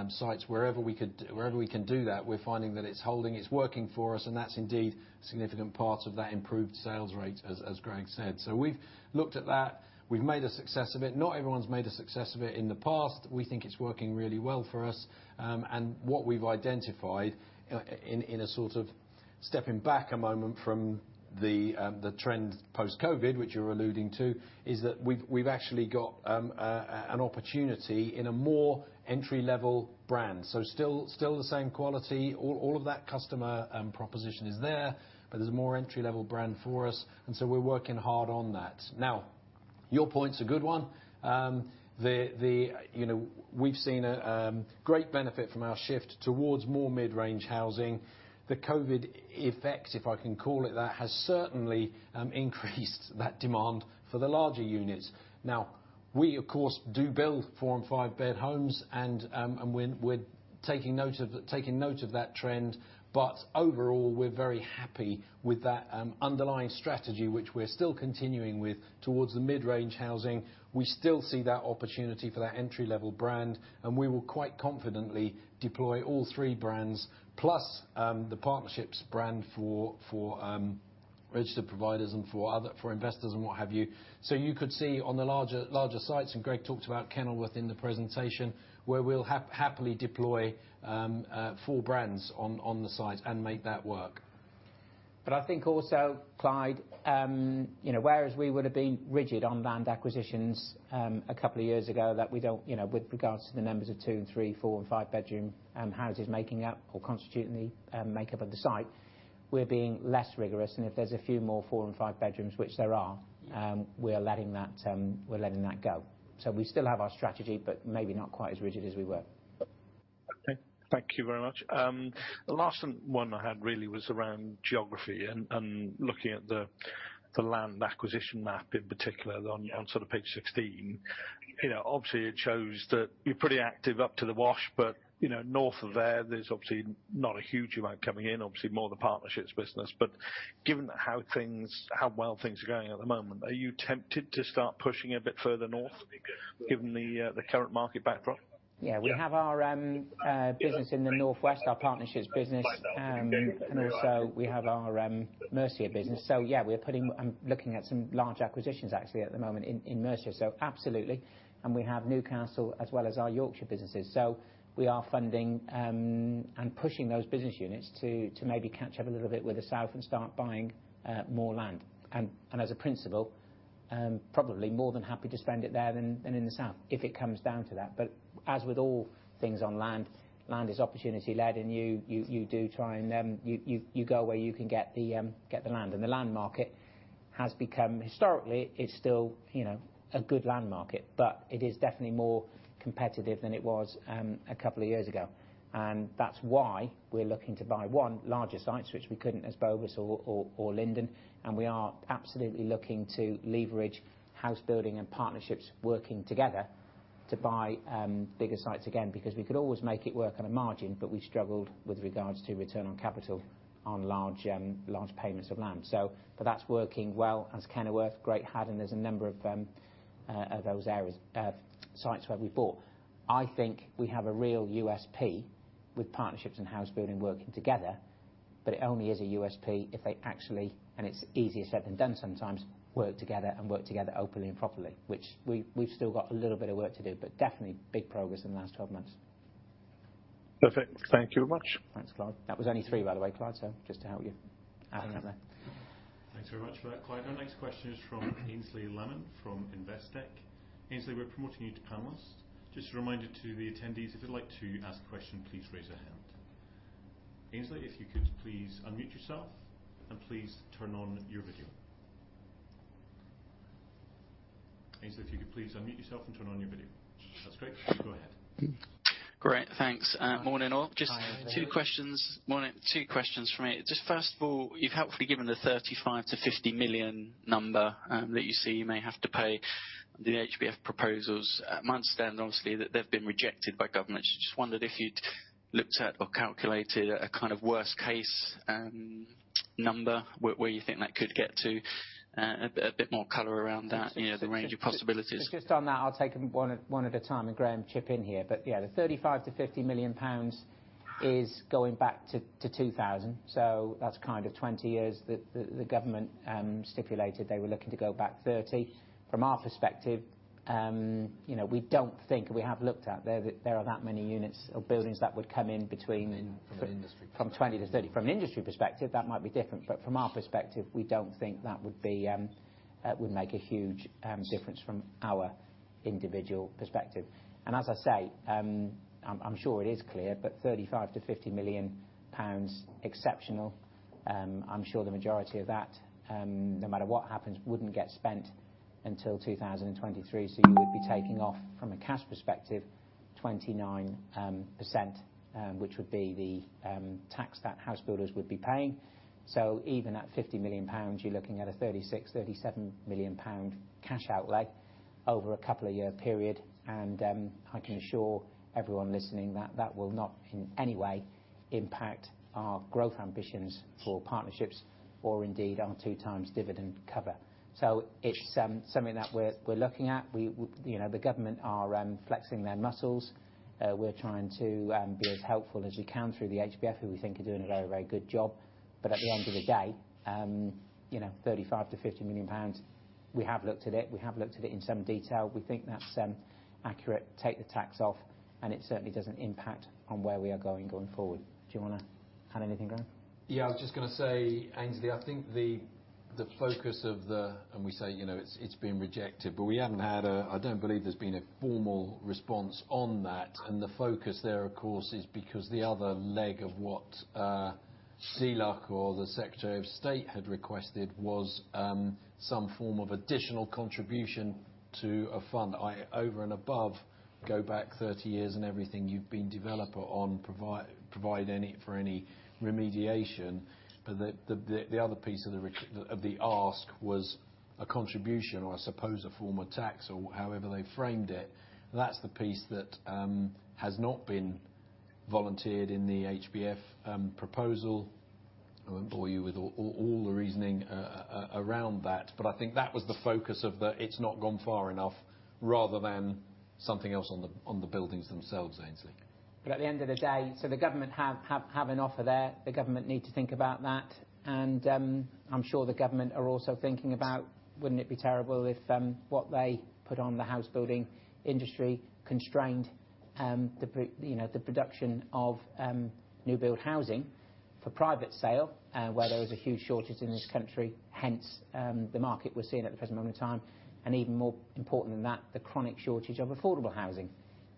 sites. Wherever we could, wherever we can do that, we're finding that it's holding, it's working for us, and that's indeed significant parts of that improved sales rate, as Greg said. We've looked at that. We've made a success of it. Not everyone's made a success of it in the past. We think it's working really well for us. What we've identified in a sort of stepping back a moment from the trend post-COVID, which you're alluding to, is that we've actually got an opportunity in a more entry-level brand. Still the same quality. All of that customer proposition is there, but there's a more entry-level brand for us, and so we're working hard on that. Now, your point's a good one. You know, we've seen great benefit from our shift towards more mid-range housing. The COVID effect, if I can call it that, has certainly increased that demand for the larger units. Now, we, of course, do build four- and five-bed homes, and we're taking note of that trend. But overall, we're very happy with that underlying strategy, which we're still continuing with towards the mid-range housing. We still see that opportunity for that entry-level brand, and we will quite confidently deploy all three brands plus the Partnerships brand for registered providers and for other investors and what have you. You could see on the larger sites, and Greg talked about Kenilworth in the presentation, where we'll happily deploy four brands on the site and make that work. I think also, Clyde, you know, whereas we would have been rigid on land acquisitions, a couple of years ago, that we don't, you know, with regards to the numbers of two, and three, four and five bedroom houses making up or constituting the makeup of the site, we're being less rigorous. If there's a few more four and five bedrooms, which there are, we're letting that go. We still have our strategy, but maybe not quite as rigid as we were. Okay. Thank you very much. The last one I had really was around geography and looking at the land acquisition map in particular on sort of page 16. You know, obviously it shows that you're pretty active up to the Wash, but you know, north of there's obviously not a huge amount coming in. Obviously more the Partnerships business. But given how well things are going at the moment, are you tempted to start pushing a bit further north, given the current market backdrop? Yeah. We have our business in the Northwest, our Partnerships business. Also we have our Mercia business. Yeah, I'm looking at some large acquisitions actually at the moment in Mercia. Absolutely. We have Newcastle as well as our Yorkshire businesses. We are funding and pushing those business units to maybe catch up a little bit with the South and start buying more land. As a principal, probably more than happy to spend it there than in the South if it comes down to that. As with all things on land is opportunity-led and you do try and you go where you can get the land. The land market has become. Historically, it's still, you know, a good land market, but it is definitely more competitive than it was a couple of years ago. That's why we're looking to buy larger sites, which we couldn't as Bovis or Linden. We are absolutely looking to leverage Housebuilding and Partnerships working together to buy bigger sites again, because we could always make it work on a margin, but we struggled with regards to return on capital on large payments of land. But that's working well. At Kenilworth, Great Haddon, there's a number of those sites where we've bought. I think we have a real USP with Partnerships and Housebuilding working together. It only is a USP if they actually, and it's easier said than done sometimes, work together openly and properly, which we've still got a little bit of work to do, but definitely big progress in the last 12 months. Perfect. Thank you very much. Thanks, Clyde. That was only three, by the way, Clyde, so just to help you out there. Thanks very much for that, Clyde. Our next question is from Aynsley Lammin from Investec. Aynsley, we're promoting you to panelist. Just a reminder to the attendees, if you'd like to ask a question, please raise your hand. Aynsley, if you could please unmute yourself, and please turn on your video. Aynsley, if you could please unmute yourself and turn on your video. That's great. Go ahead. Great. Thanks. Morning, all. Hi, Aynsley. Just two questions. Morning. Two questions from me. Just first of all, you've helpfully given the 35 million-50 million number that you see you may have to pay the HBF proposals. To my understanding, obviously, that they've been rejected by the government. Just wondered if you'd looked at or calculated a kind of worst case number where you think that could get to, a bit more color around that, you know, the range of possibilities. Just on that, I'll take 'em one at a time and Graham, chip in here. But yeah, the 35 million-50 million pounds is going back to 2000. So that's kind of 20 years that the government stipulated they were looking to go back 30. From our perspective, you know, we don't think we have looked at there, that there are that many units or buildings that would come in between. From an industry perspective. From 20 to 30. From an industry perspective, that might be different, but from our perspective, we don't think that would be would make a huge difference from our individual perspective. As I say, I'm sure it is clear, but 35 million-50 million pounds exceptional. I'm sure the majority of that, no matter what happens, wouldn't get spent until 2023. You would be taking off from a cash perspective, 29%, which would be the tax that house builders would be paying. Even at 50 million pounds, you're looking at a 36 million-37 million-pound cash outlay over a couple of year period. I can assure everyone listening that that will not in any way impact our growth ambitions for partnerships or indeed our 2x dividend cover. It's something that we're looking at. You know, the government are flexing their muscles. We're trying to be as helpful as we can through the HBF, who we think are doing a very good job. At the end of the day, you know, 35 million-50 million pounds, we have looked at it in some detail. We think that's accurate, take the tax off, and it certainly doesn't impact on where we are going forward. Do you wanna add anything, Graham? Yeah, I was just gonna say, Aynsley, I think the focus of it. It's been rejected, but I don't believe there's been a formal response on that. The focus there, of course, is because the other leg of what the Secretary of State had requested was some form of additional contribution to a fund over and above going back 30 years and everything you've been a developer on to provide for any remediation. The other piece of the ask was a contribution, or I suppose a form of tax or however they framed it. That's the piece that has not been volunteered in the HBF proposal. I won't bore you with all the reasoning around that, but I think that was the focus of the, it's not gone far enough, rather than something else on the buildings themselves, Aynsley. At the end of the day, the government have an offer there. The government need to think about that. I'm sure the government are also thinking about wouldn't it be terrible if what they put on the housebuilding industry constrained the production of new build housing for private sale, where there is a huge shortage in this country, hence the market we're seeing at the present moment in time. Even more important than that, the chronic shortage of affordable housing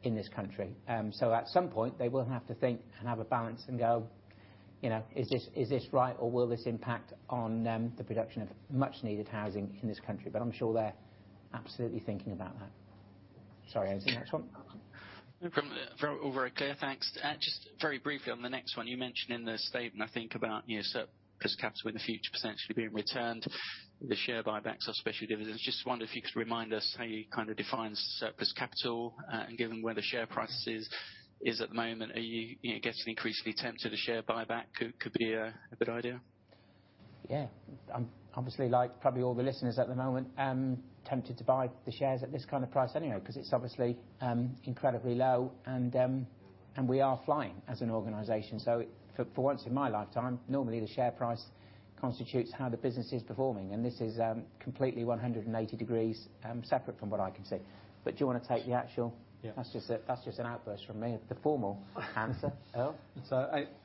in this country. At some point, they will have to think and have a balance and go, you know, "Is this right or will this impact on the production of much needed housing in this country?" I'm sure they're absolutely thinking about that. Sorry, Ainsley, next one. All very clear. Thanks. Just very briefly on the next one. You mentioned in the statement, I think about, you know, surplus capital in the future potentially being returned, the share buybacks or special dividends. Just wonder if you could remind us how you kind of define surplus capital, and given where the share price is at the moment, are you getting increasingly tempted a share buyback could be a good idea? Yeah. I'm obviously, like probably all the listeners at the moment, tempted to buy the shares at this kind of price anyway, 'cause it's obviously incredibly low, and we are flying as an organization. For once in my lifetime, normally the share price constitutes how the business is performing, and this is completely 180 degrees separate from what I can see. Do you wanna take the actual- Yeah. That's just an outburst from me. The formal answer. Earl?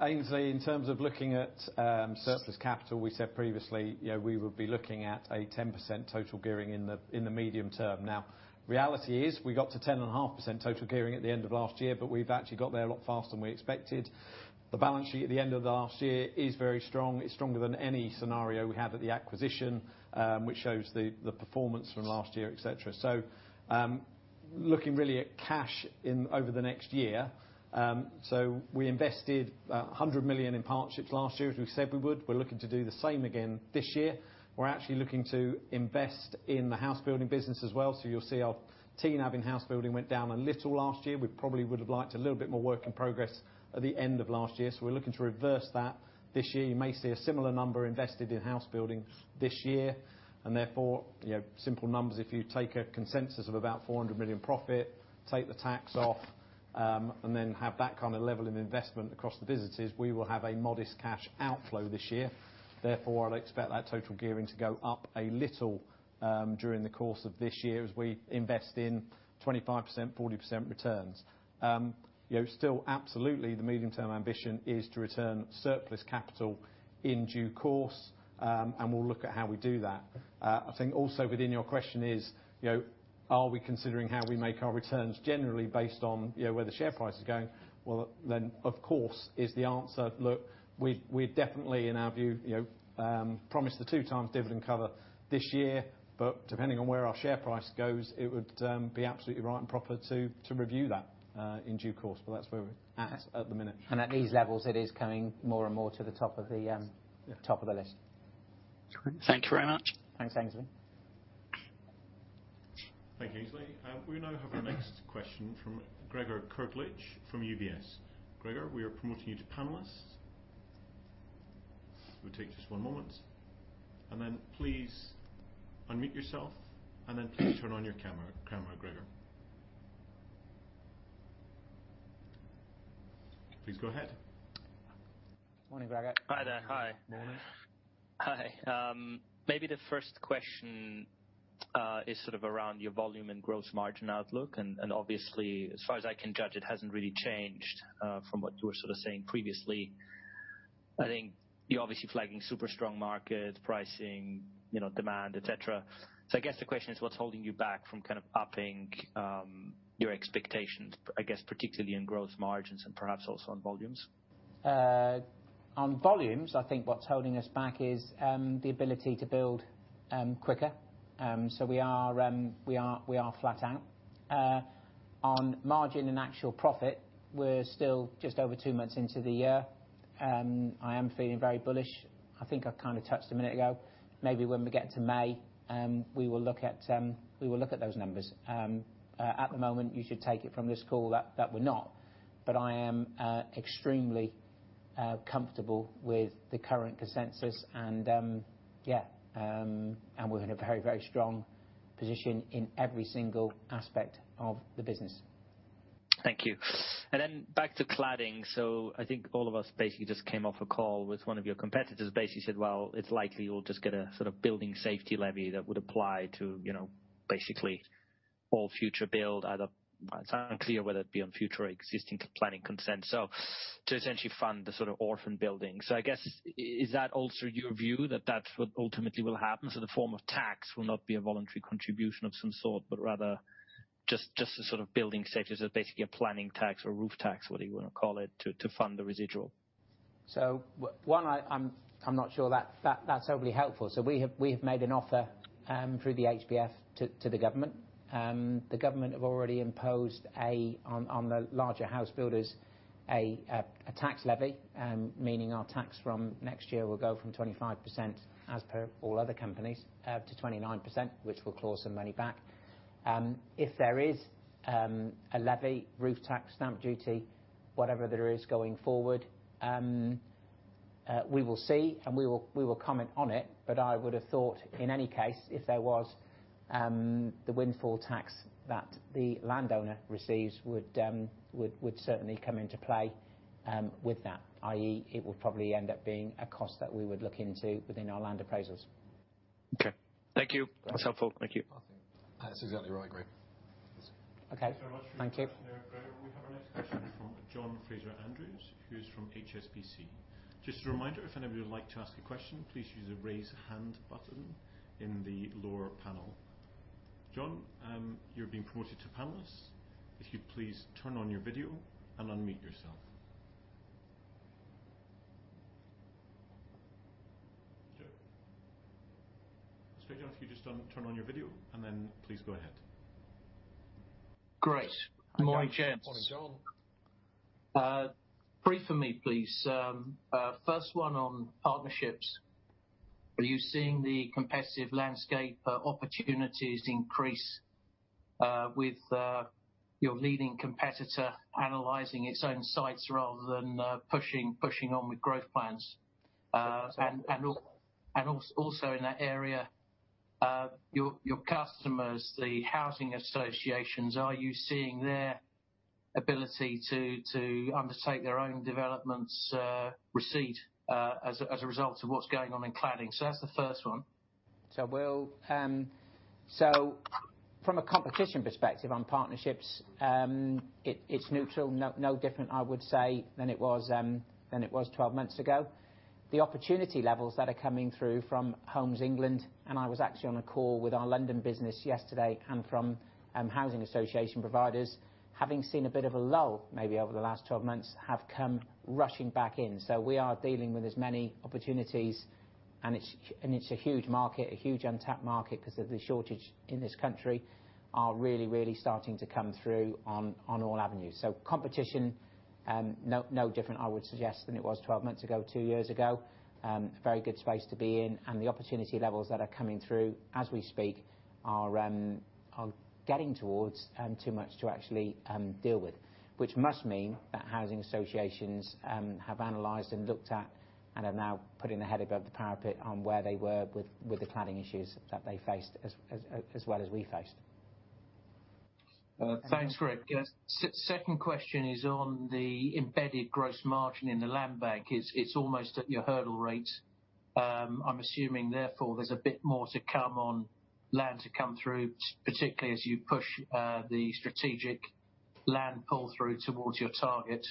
Ainsley, in terms of looking at surplus capital, we said previously, you know, we would be looking at a 10% total gearing in the medium term. Now, reality is we got to 10.5% total gearing at the end of last year, but we've actually got there a lot faster than we expected. The balance sheet at the end of last year is very strong. It's stronger than any scenario we had at the acquisition, which shows the performance from last year, et cetera. Looking really at cash in over the next year, we invested 100 million in Partnerships last year, as we said we would. We're looking to do the same again this year. We're actually looking to invest in the Housebuilding business as well. You'll see our TNAV in house building went down a little last year. We probably would have liked a little bit more work in progress at the end of last year. We're looking to reverse that this year. You may see a similar number invested in house building this year, and therefore, you know, simple numbers, if you take a consensus of about 400 million profit, take the tax off, and then have that kind of level of investment across the businesses, we will have a modest cash outflow this year. Therefore, I'd expect that total gearing to go up a little, during the course of this year as we invest in 25%, 40% returns. You know, still absolutely the medium-term ambition is to return surplus capital in due course, and we'll look at how we do that. I think also within your question is, you know, are we considering how we make our returns generally based on, you know, where the share price is going? Well then, of course, is the answer. Look, we're definitely, in our view, you know, promised the 2x dividend cover this year. But depending on where our share price goes, it would be absolutely right and proper to review that in due course. That's where we're at the minute. At these levels, it is coming more and more to the top of the list. Yeah. Thank you very much. Thanks, Aynsley. Thank you, Aynsley. We now have our next question from Gregor Kuglitsch from UBS. Gregor, we are promoting you to panelist. It will take just one moment, and then please unmute yourself, and then please turn on your camera, Gregor. Please go ahead. Morning, Gregor. Hi, there. Hi. Morning. Hi. Maybe the first question is sort of around your volume and gross margin outlook, and obviously, as far as I can judge, it hasn't really changed from what you were sort of saying previously. I think you're obviously flagging super strong market pricing, you know, demand, et cetera. I guess the question is what's holding you back from kind of upping your expectations, I guess, particularly in growth margins and perhaps also on volumes? On volumes, I think what's holding us back is the ability to build quicker. We are flat out. On margin and actual profit, we're still just over two months into the year. I am feeling very bullish. I think I kind of touched a minute ago. Maybe when we get to May, we will look at those numbers. At the moment, you should take it from this call that we're not. I am extremely comfortable with the current consensus and yeah. We're in a very, very strong position in every single aspect of the business. Thank you. Back to cladding. I think all of us basically just came off a call with one of your competitors, basically said, "Well, it's likely you'll just get a sort of building safety levy that would apply to, you know, basically all future build. Either it's unclear whether it be on future or existing planning consent to essentially fund the sort of orphan building." I guess, is that also your view that that's what ultimately will happen? The form of tax will not be a voluntary contribution of some sort, but rather just a sort of building safety sort of basically a planning tax or roof tax, whatever you wanna call it, to fund the residual. I'm not sure that's overly helpful. We have made an offer through the HBF to the government. The government have already imposed a tax levy on the larger house builders, meaning our tax from next year will go from 25% as per all other companies to 29%, which will claw some money back. If there is a levy, roof tax, stamp duty, whatever there is going forward, we will see, and we will comment on it, but I would have thought in any case, if there was the windfall tax that the landowner receives would certainly come into play with that, i.e., it would probably end up being a cost that we would look into within our land appraisals. Okay. Thank you. That's helpful. Thank you. That's exactly right, Greg. Okay. Thank you. Thank you very much. We have our next question from John Fraser-Andrews, who's from HSBC. Just a reminder, if anybody would like to ask a question, please use the Raise Hand button in the lower panel. John, you're being promoted to panelist. If you'd please turn on your video and unmute yourself. John, if you'd just turn on your video, and then please go ahead. Good morning, gents. Morning, John. Three for me, please. First one on Partnerships. Are you seeing the competitive landscape opportunities increase with your leading competitor analyzing its own sites rather than pushing on with growth plans? And also in that area, your customers, the housing associations, are you seeing their ability to undertake their own developments recede as a result of what's going on in cladding? That's the first one. From a competition perspective on Partnerships, it's neutral, no different, I would say, than it was 12 months ago. The opportunity levels that are coming through from Homes England, and I was actually on a call with our London business yesterday and from housing association providers, having seen a bit of a lull maybe over the last 12 months, have come rushing back in. We are dealing with as many opportunities, and it's a huge market, a huge untapped market 'cause of the shortage in this country are really, really starting to come through on all avenues. Competition, no different, I would suggest, than it was 12 months ago, two years ago. Very good space to be in, and the opportunity levels that are coming through as we speak are getting towards too much to actually deal with, which must mean that housing associations have analyzed and looked at and are now putting their head above the parapet on where they were with the cladding issues that they faced as well as we faced. Thanks, Greg. Yes. Second question is on the embedded gross margin in the land bank. It's almost at your hurdle rate. I'm assuming therefore there's a bit more to come on land to come through, particularly as you push the strategic land pull through towards your target.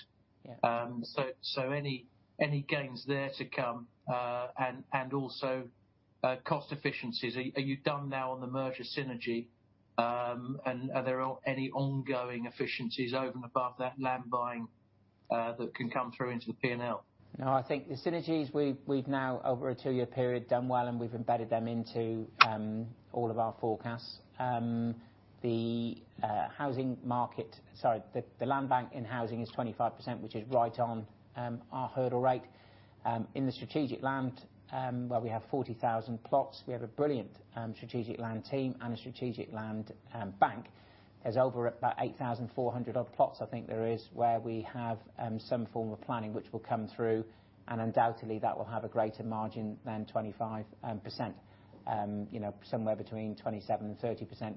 Yeah. Any gains there to come, and also cost efficiencies. Are you done now on the merger synergy? Are there any ongoing efficiencies over and above that land buying that can come through into the P&L? No, I think the synergies we've now over a two-year period done well, and we've embedded them into all of our forecasts. The land bank in housing is 25%, which is right on our hurdle rate. In the strategic land, where we have 40,000 plots, we have a brilliant strategic land team and a strategic land bank. There's over about 8,400 odd plots, I think there is, where we have some form of planning which will come through, and undoubtedly that will have a greater margin than 25%. You know, somewhere between 27%-30%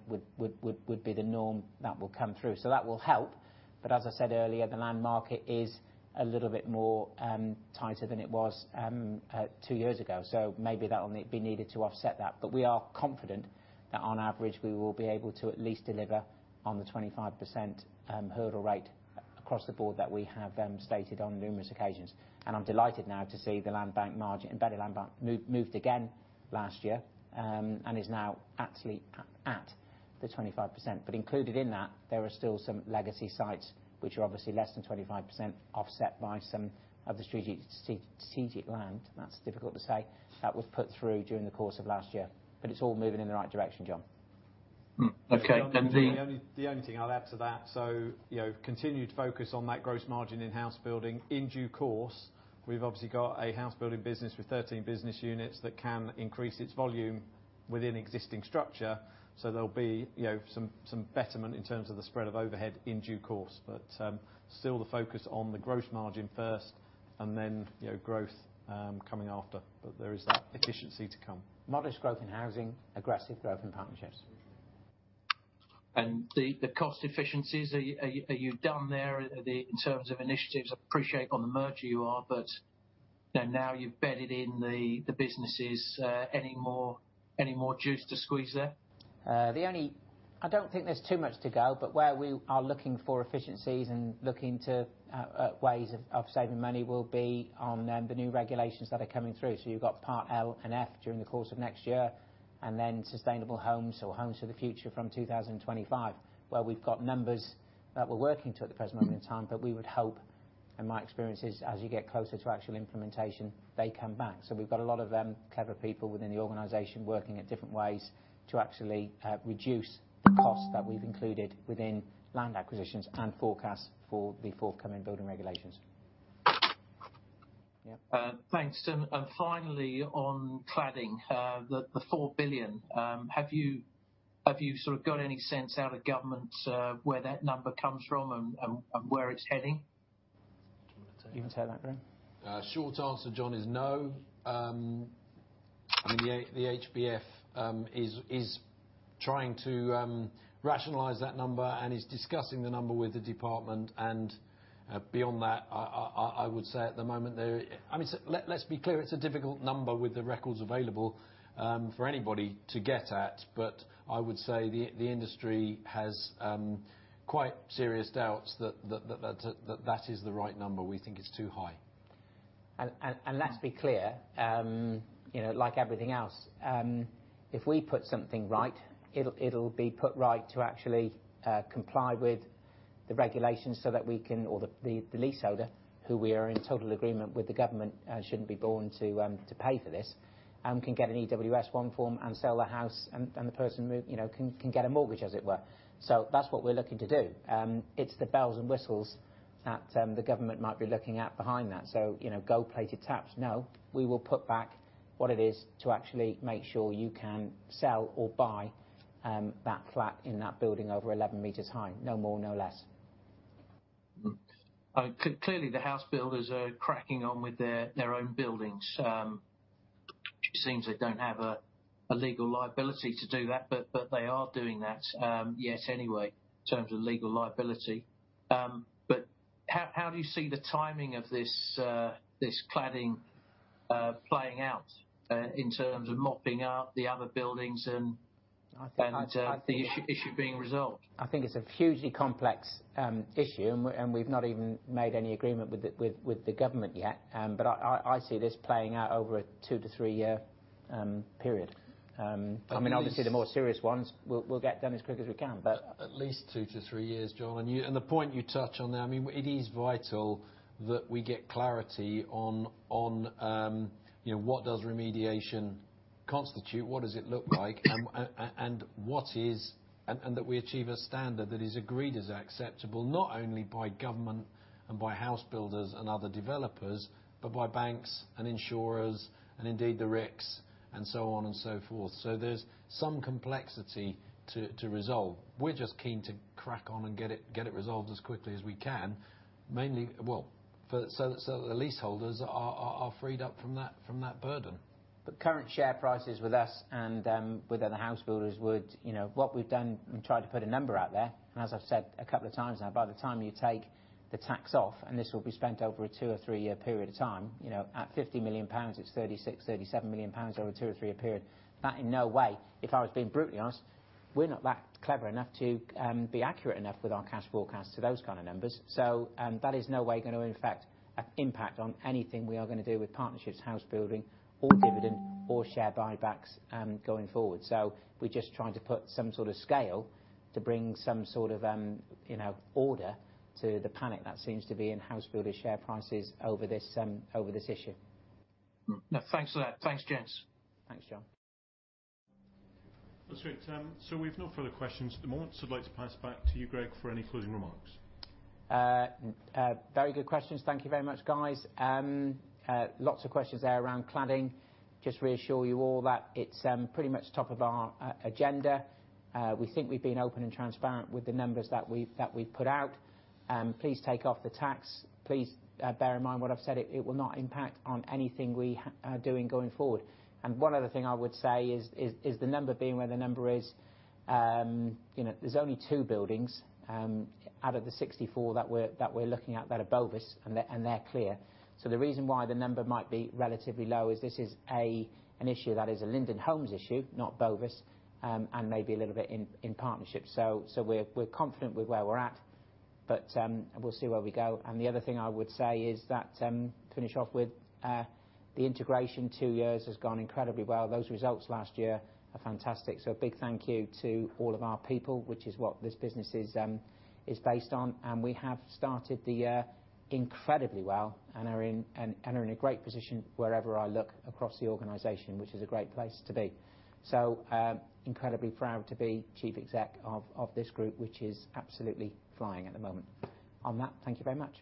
would be the norm that will come through. That will help. As I said earlier, the land market is a little bit more tighter than it was two years ago. Maybe that'll be needed to offset that. We are confident that on average we will be able to at least deliver on the 25% hurdle rate across the board that we have stated on numerous occasions. I'm delighted now to see the land bank margin, embedded land bank moved again last year, and is now actually at the 25%. Included in that, there are still some legacy sites which are obviously less than 25%, offset by some of the strategic land that was put through during the course of last year. It's all moving in the right direction, John. Okay. The only thing I'll add to that, so, you know, continued focus on that gross margin in house building. In due course, we've obviously got a house building business with 13 business units that can increase its volume within existing structure. There'll be, you know, some betterment in terms of the spread of overhead in due course. Still the focus on the gross margin first and then, you know, growth, coming after. There is that efficiency to come. Modest growth in housing, aggressive growth in Partnerships. The cost efficiencies, are you done there in terms of initiatives? I appreciate on the merger you are, but now you've bedded in the businesses, any more juice to squeeze there? I don't think there's too much to go, but where we are looking for efficiencies and looking to ways of saving money will be on the new regulations that are coming through. You've got Part L and Part F during the course of next year, and then sustainable homes or homes for the future from 2025, where we've got numbers that we're working to at the present moment in time. We would hope, and my experience is as you get closer to actual implementation, they come back. We've got a lot of clever people within the organization working at different ways to actually reduce the costs that we've included within land acquisitions and forecasts for the forthcoming building regulations. Yeah. Thanks. Finally, on cladding, the 4 billion, have you sort of got any sense out of government, where that number comes from and where it's heading? Do you wanna take that? You can take that, Graham. Short answer, John, is no. I mean, the HBF is trying to rationalize that number and is discussing the number with the department. Beyond that, I would say at the moment. I mean, let's be clear, it's a difficult number with the records available for anybody to get at. But I would say the industry has quite serious doubts that that is the right number. We think it's too high. Let's be clear, you know, like everything else, if we put something right, it'll be put right to actually comply with the regulations so that the leaseholder, who we are in total agreement with the government, shouldn't have to pay for this, can get an EWS1 form and sell the house and the person can move, you know, can get a mortgage, as it were. That's what we're looking to do. It's the bells and whistles that the government might be looking at behind that. You know, gold-plated taps, no. We will put back what it is to actually make sure you can sell or buy that flat in that building over 11 m high. No more, no less. Clearly the house builders are cracking on with their own buildings, which seems they don't have a legal liability to do that, but they are doing that yet anyway, in terms of legal liability. How do you see the timing of this cladding playing out, in terms of mopping up the other buildings and the issue being resolved? I think it's a hugely complex issue, and we've not even made any agreement with the government yet. I see this playing out over a two to three-year period. I mean, obviously the more serious ones we'll get done as quick as we can but. At least two to three years, John. The point you touch on there, I mean, it is vital that we get clarity on, you know, what does remediation constitute? What does it look like? That we achieve a standard that is agreed as acceptable, not only by government and by house builders and other developers, but by banks and insurers and indeed the RICS and so on and so forth. There's some complexity to resolve. We're just keen to crack on and get it resolved as quickly as we can. Mainly so the leaseholders are freed up from that burden. Current share prices with us and with other house builders would, you know. What we've done, and tried to put a number out there, and as I've said a couple of times now, by the time you take the tax off, and this will be spent over a two- or three-year period of time, you know, at 50 million pounds, it's 36 million- 37 million pounds over a two- or three-year period. That in no way, if I was being brutally honest, we're not that clever enough to be accurate enough with our cash forecasts to those kind of numbers. That is no way gonna affect impact on anything we are gonna do with Partnerships, Housebuilding or dividend or share buybacks going forward. We're just trying to put some sort of scale to bring some sort of, you know, order to the panic that seems to be in housebuilder share prices over this issue. No, thanks for that. Thanks, gents. Thanks, John. That's great. We've no further questions at the moment, so I'd like to pass back to you, Greg, for any closing remarks. Very good questions. Thank you very much, guys. Lots of questions there around cladding. Just reassure you all that it's pretty much top of our agenda. We think we've been open and transparent with the numbers that we've put out. Please take off the tax. Please bear in mind what I've said, it will not impact on anything we're doing going forward. One other thing I would say is the number being where the number is, you know, there's only two buildings out of the 64 that we're looking at that are Bovis, and they're clear. The reason why the number might be relatively low is this is an issue that is a Linden Homes issue, not Bovis, and maybe a little bit in partnership. We're confident with where we're at, but we'll see where we go. The other thing I would say is that finish off with the integration two years has gone incredibly well. Those results last year are fantastic. A big thank you to all of our people, which is what this business is based on. We have started the year incredibly well and are in a great position wherever I look across the organization, which is a great place to be. Incredibly proud to be Chief Exec of this group, which is absolutely flying at the moment. On that, thank you very much.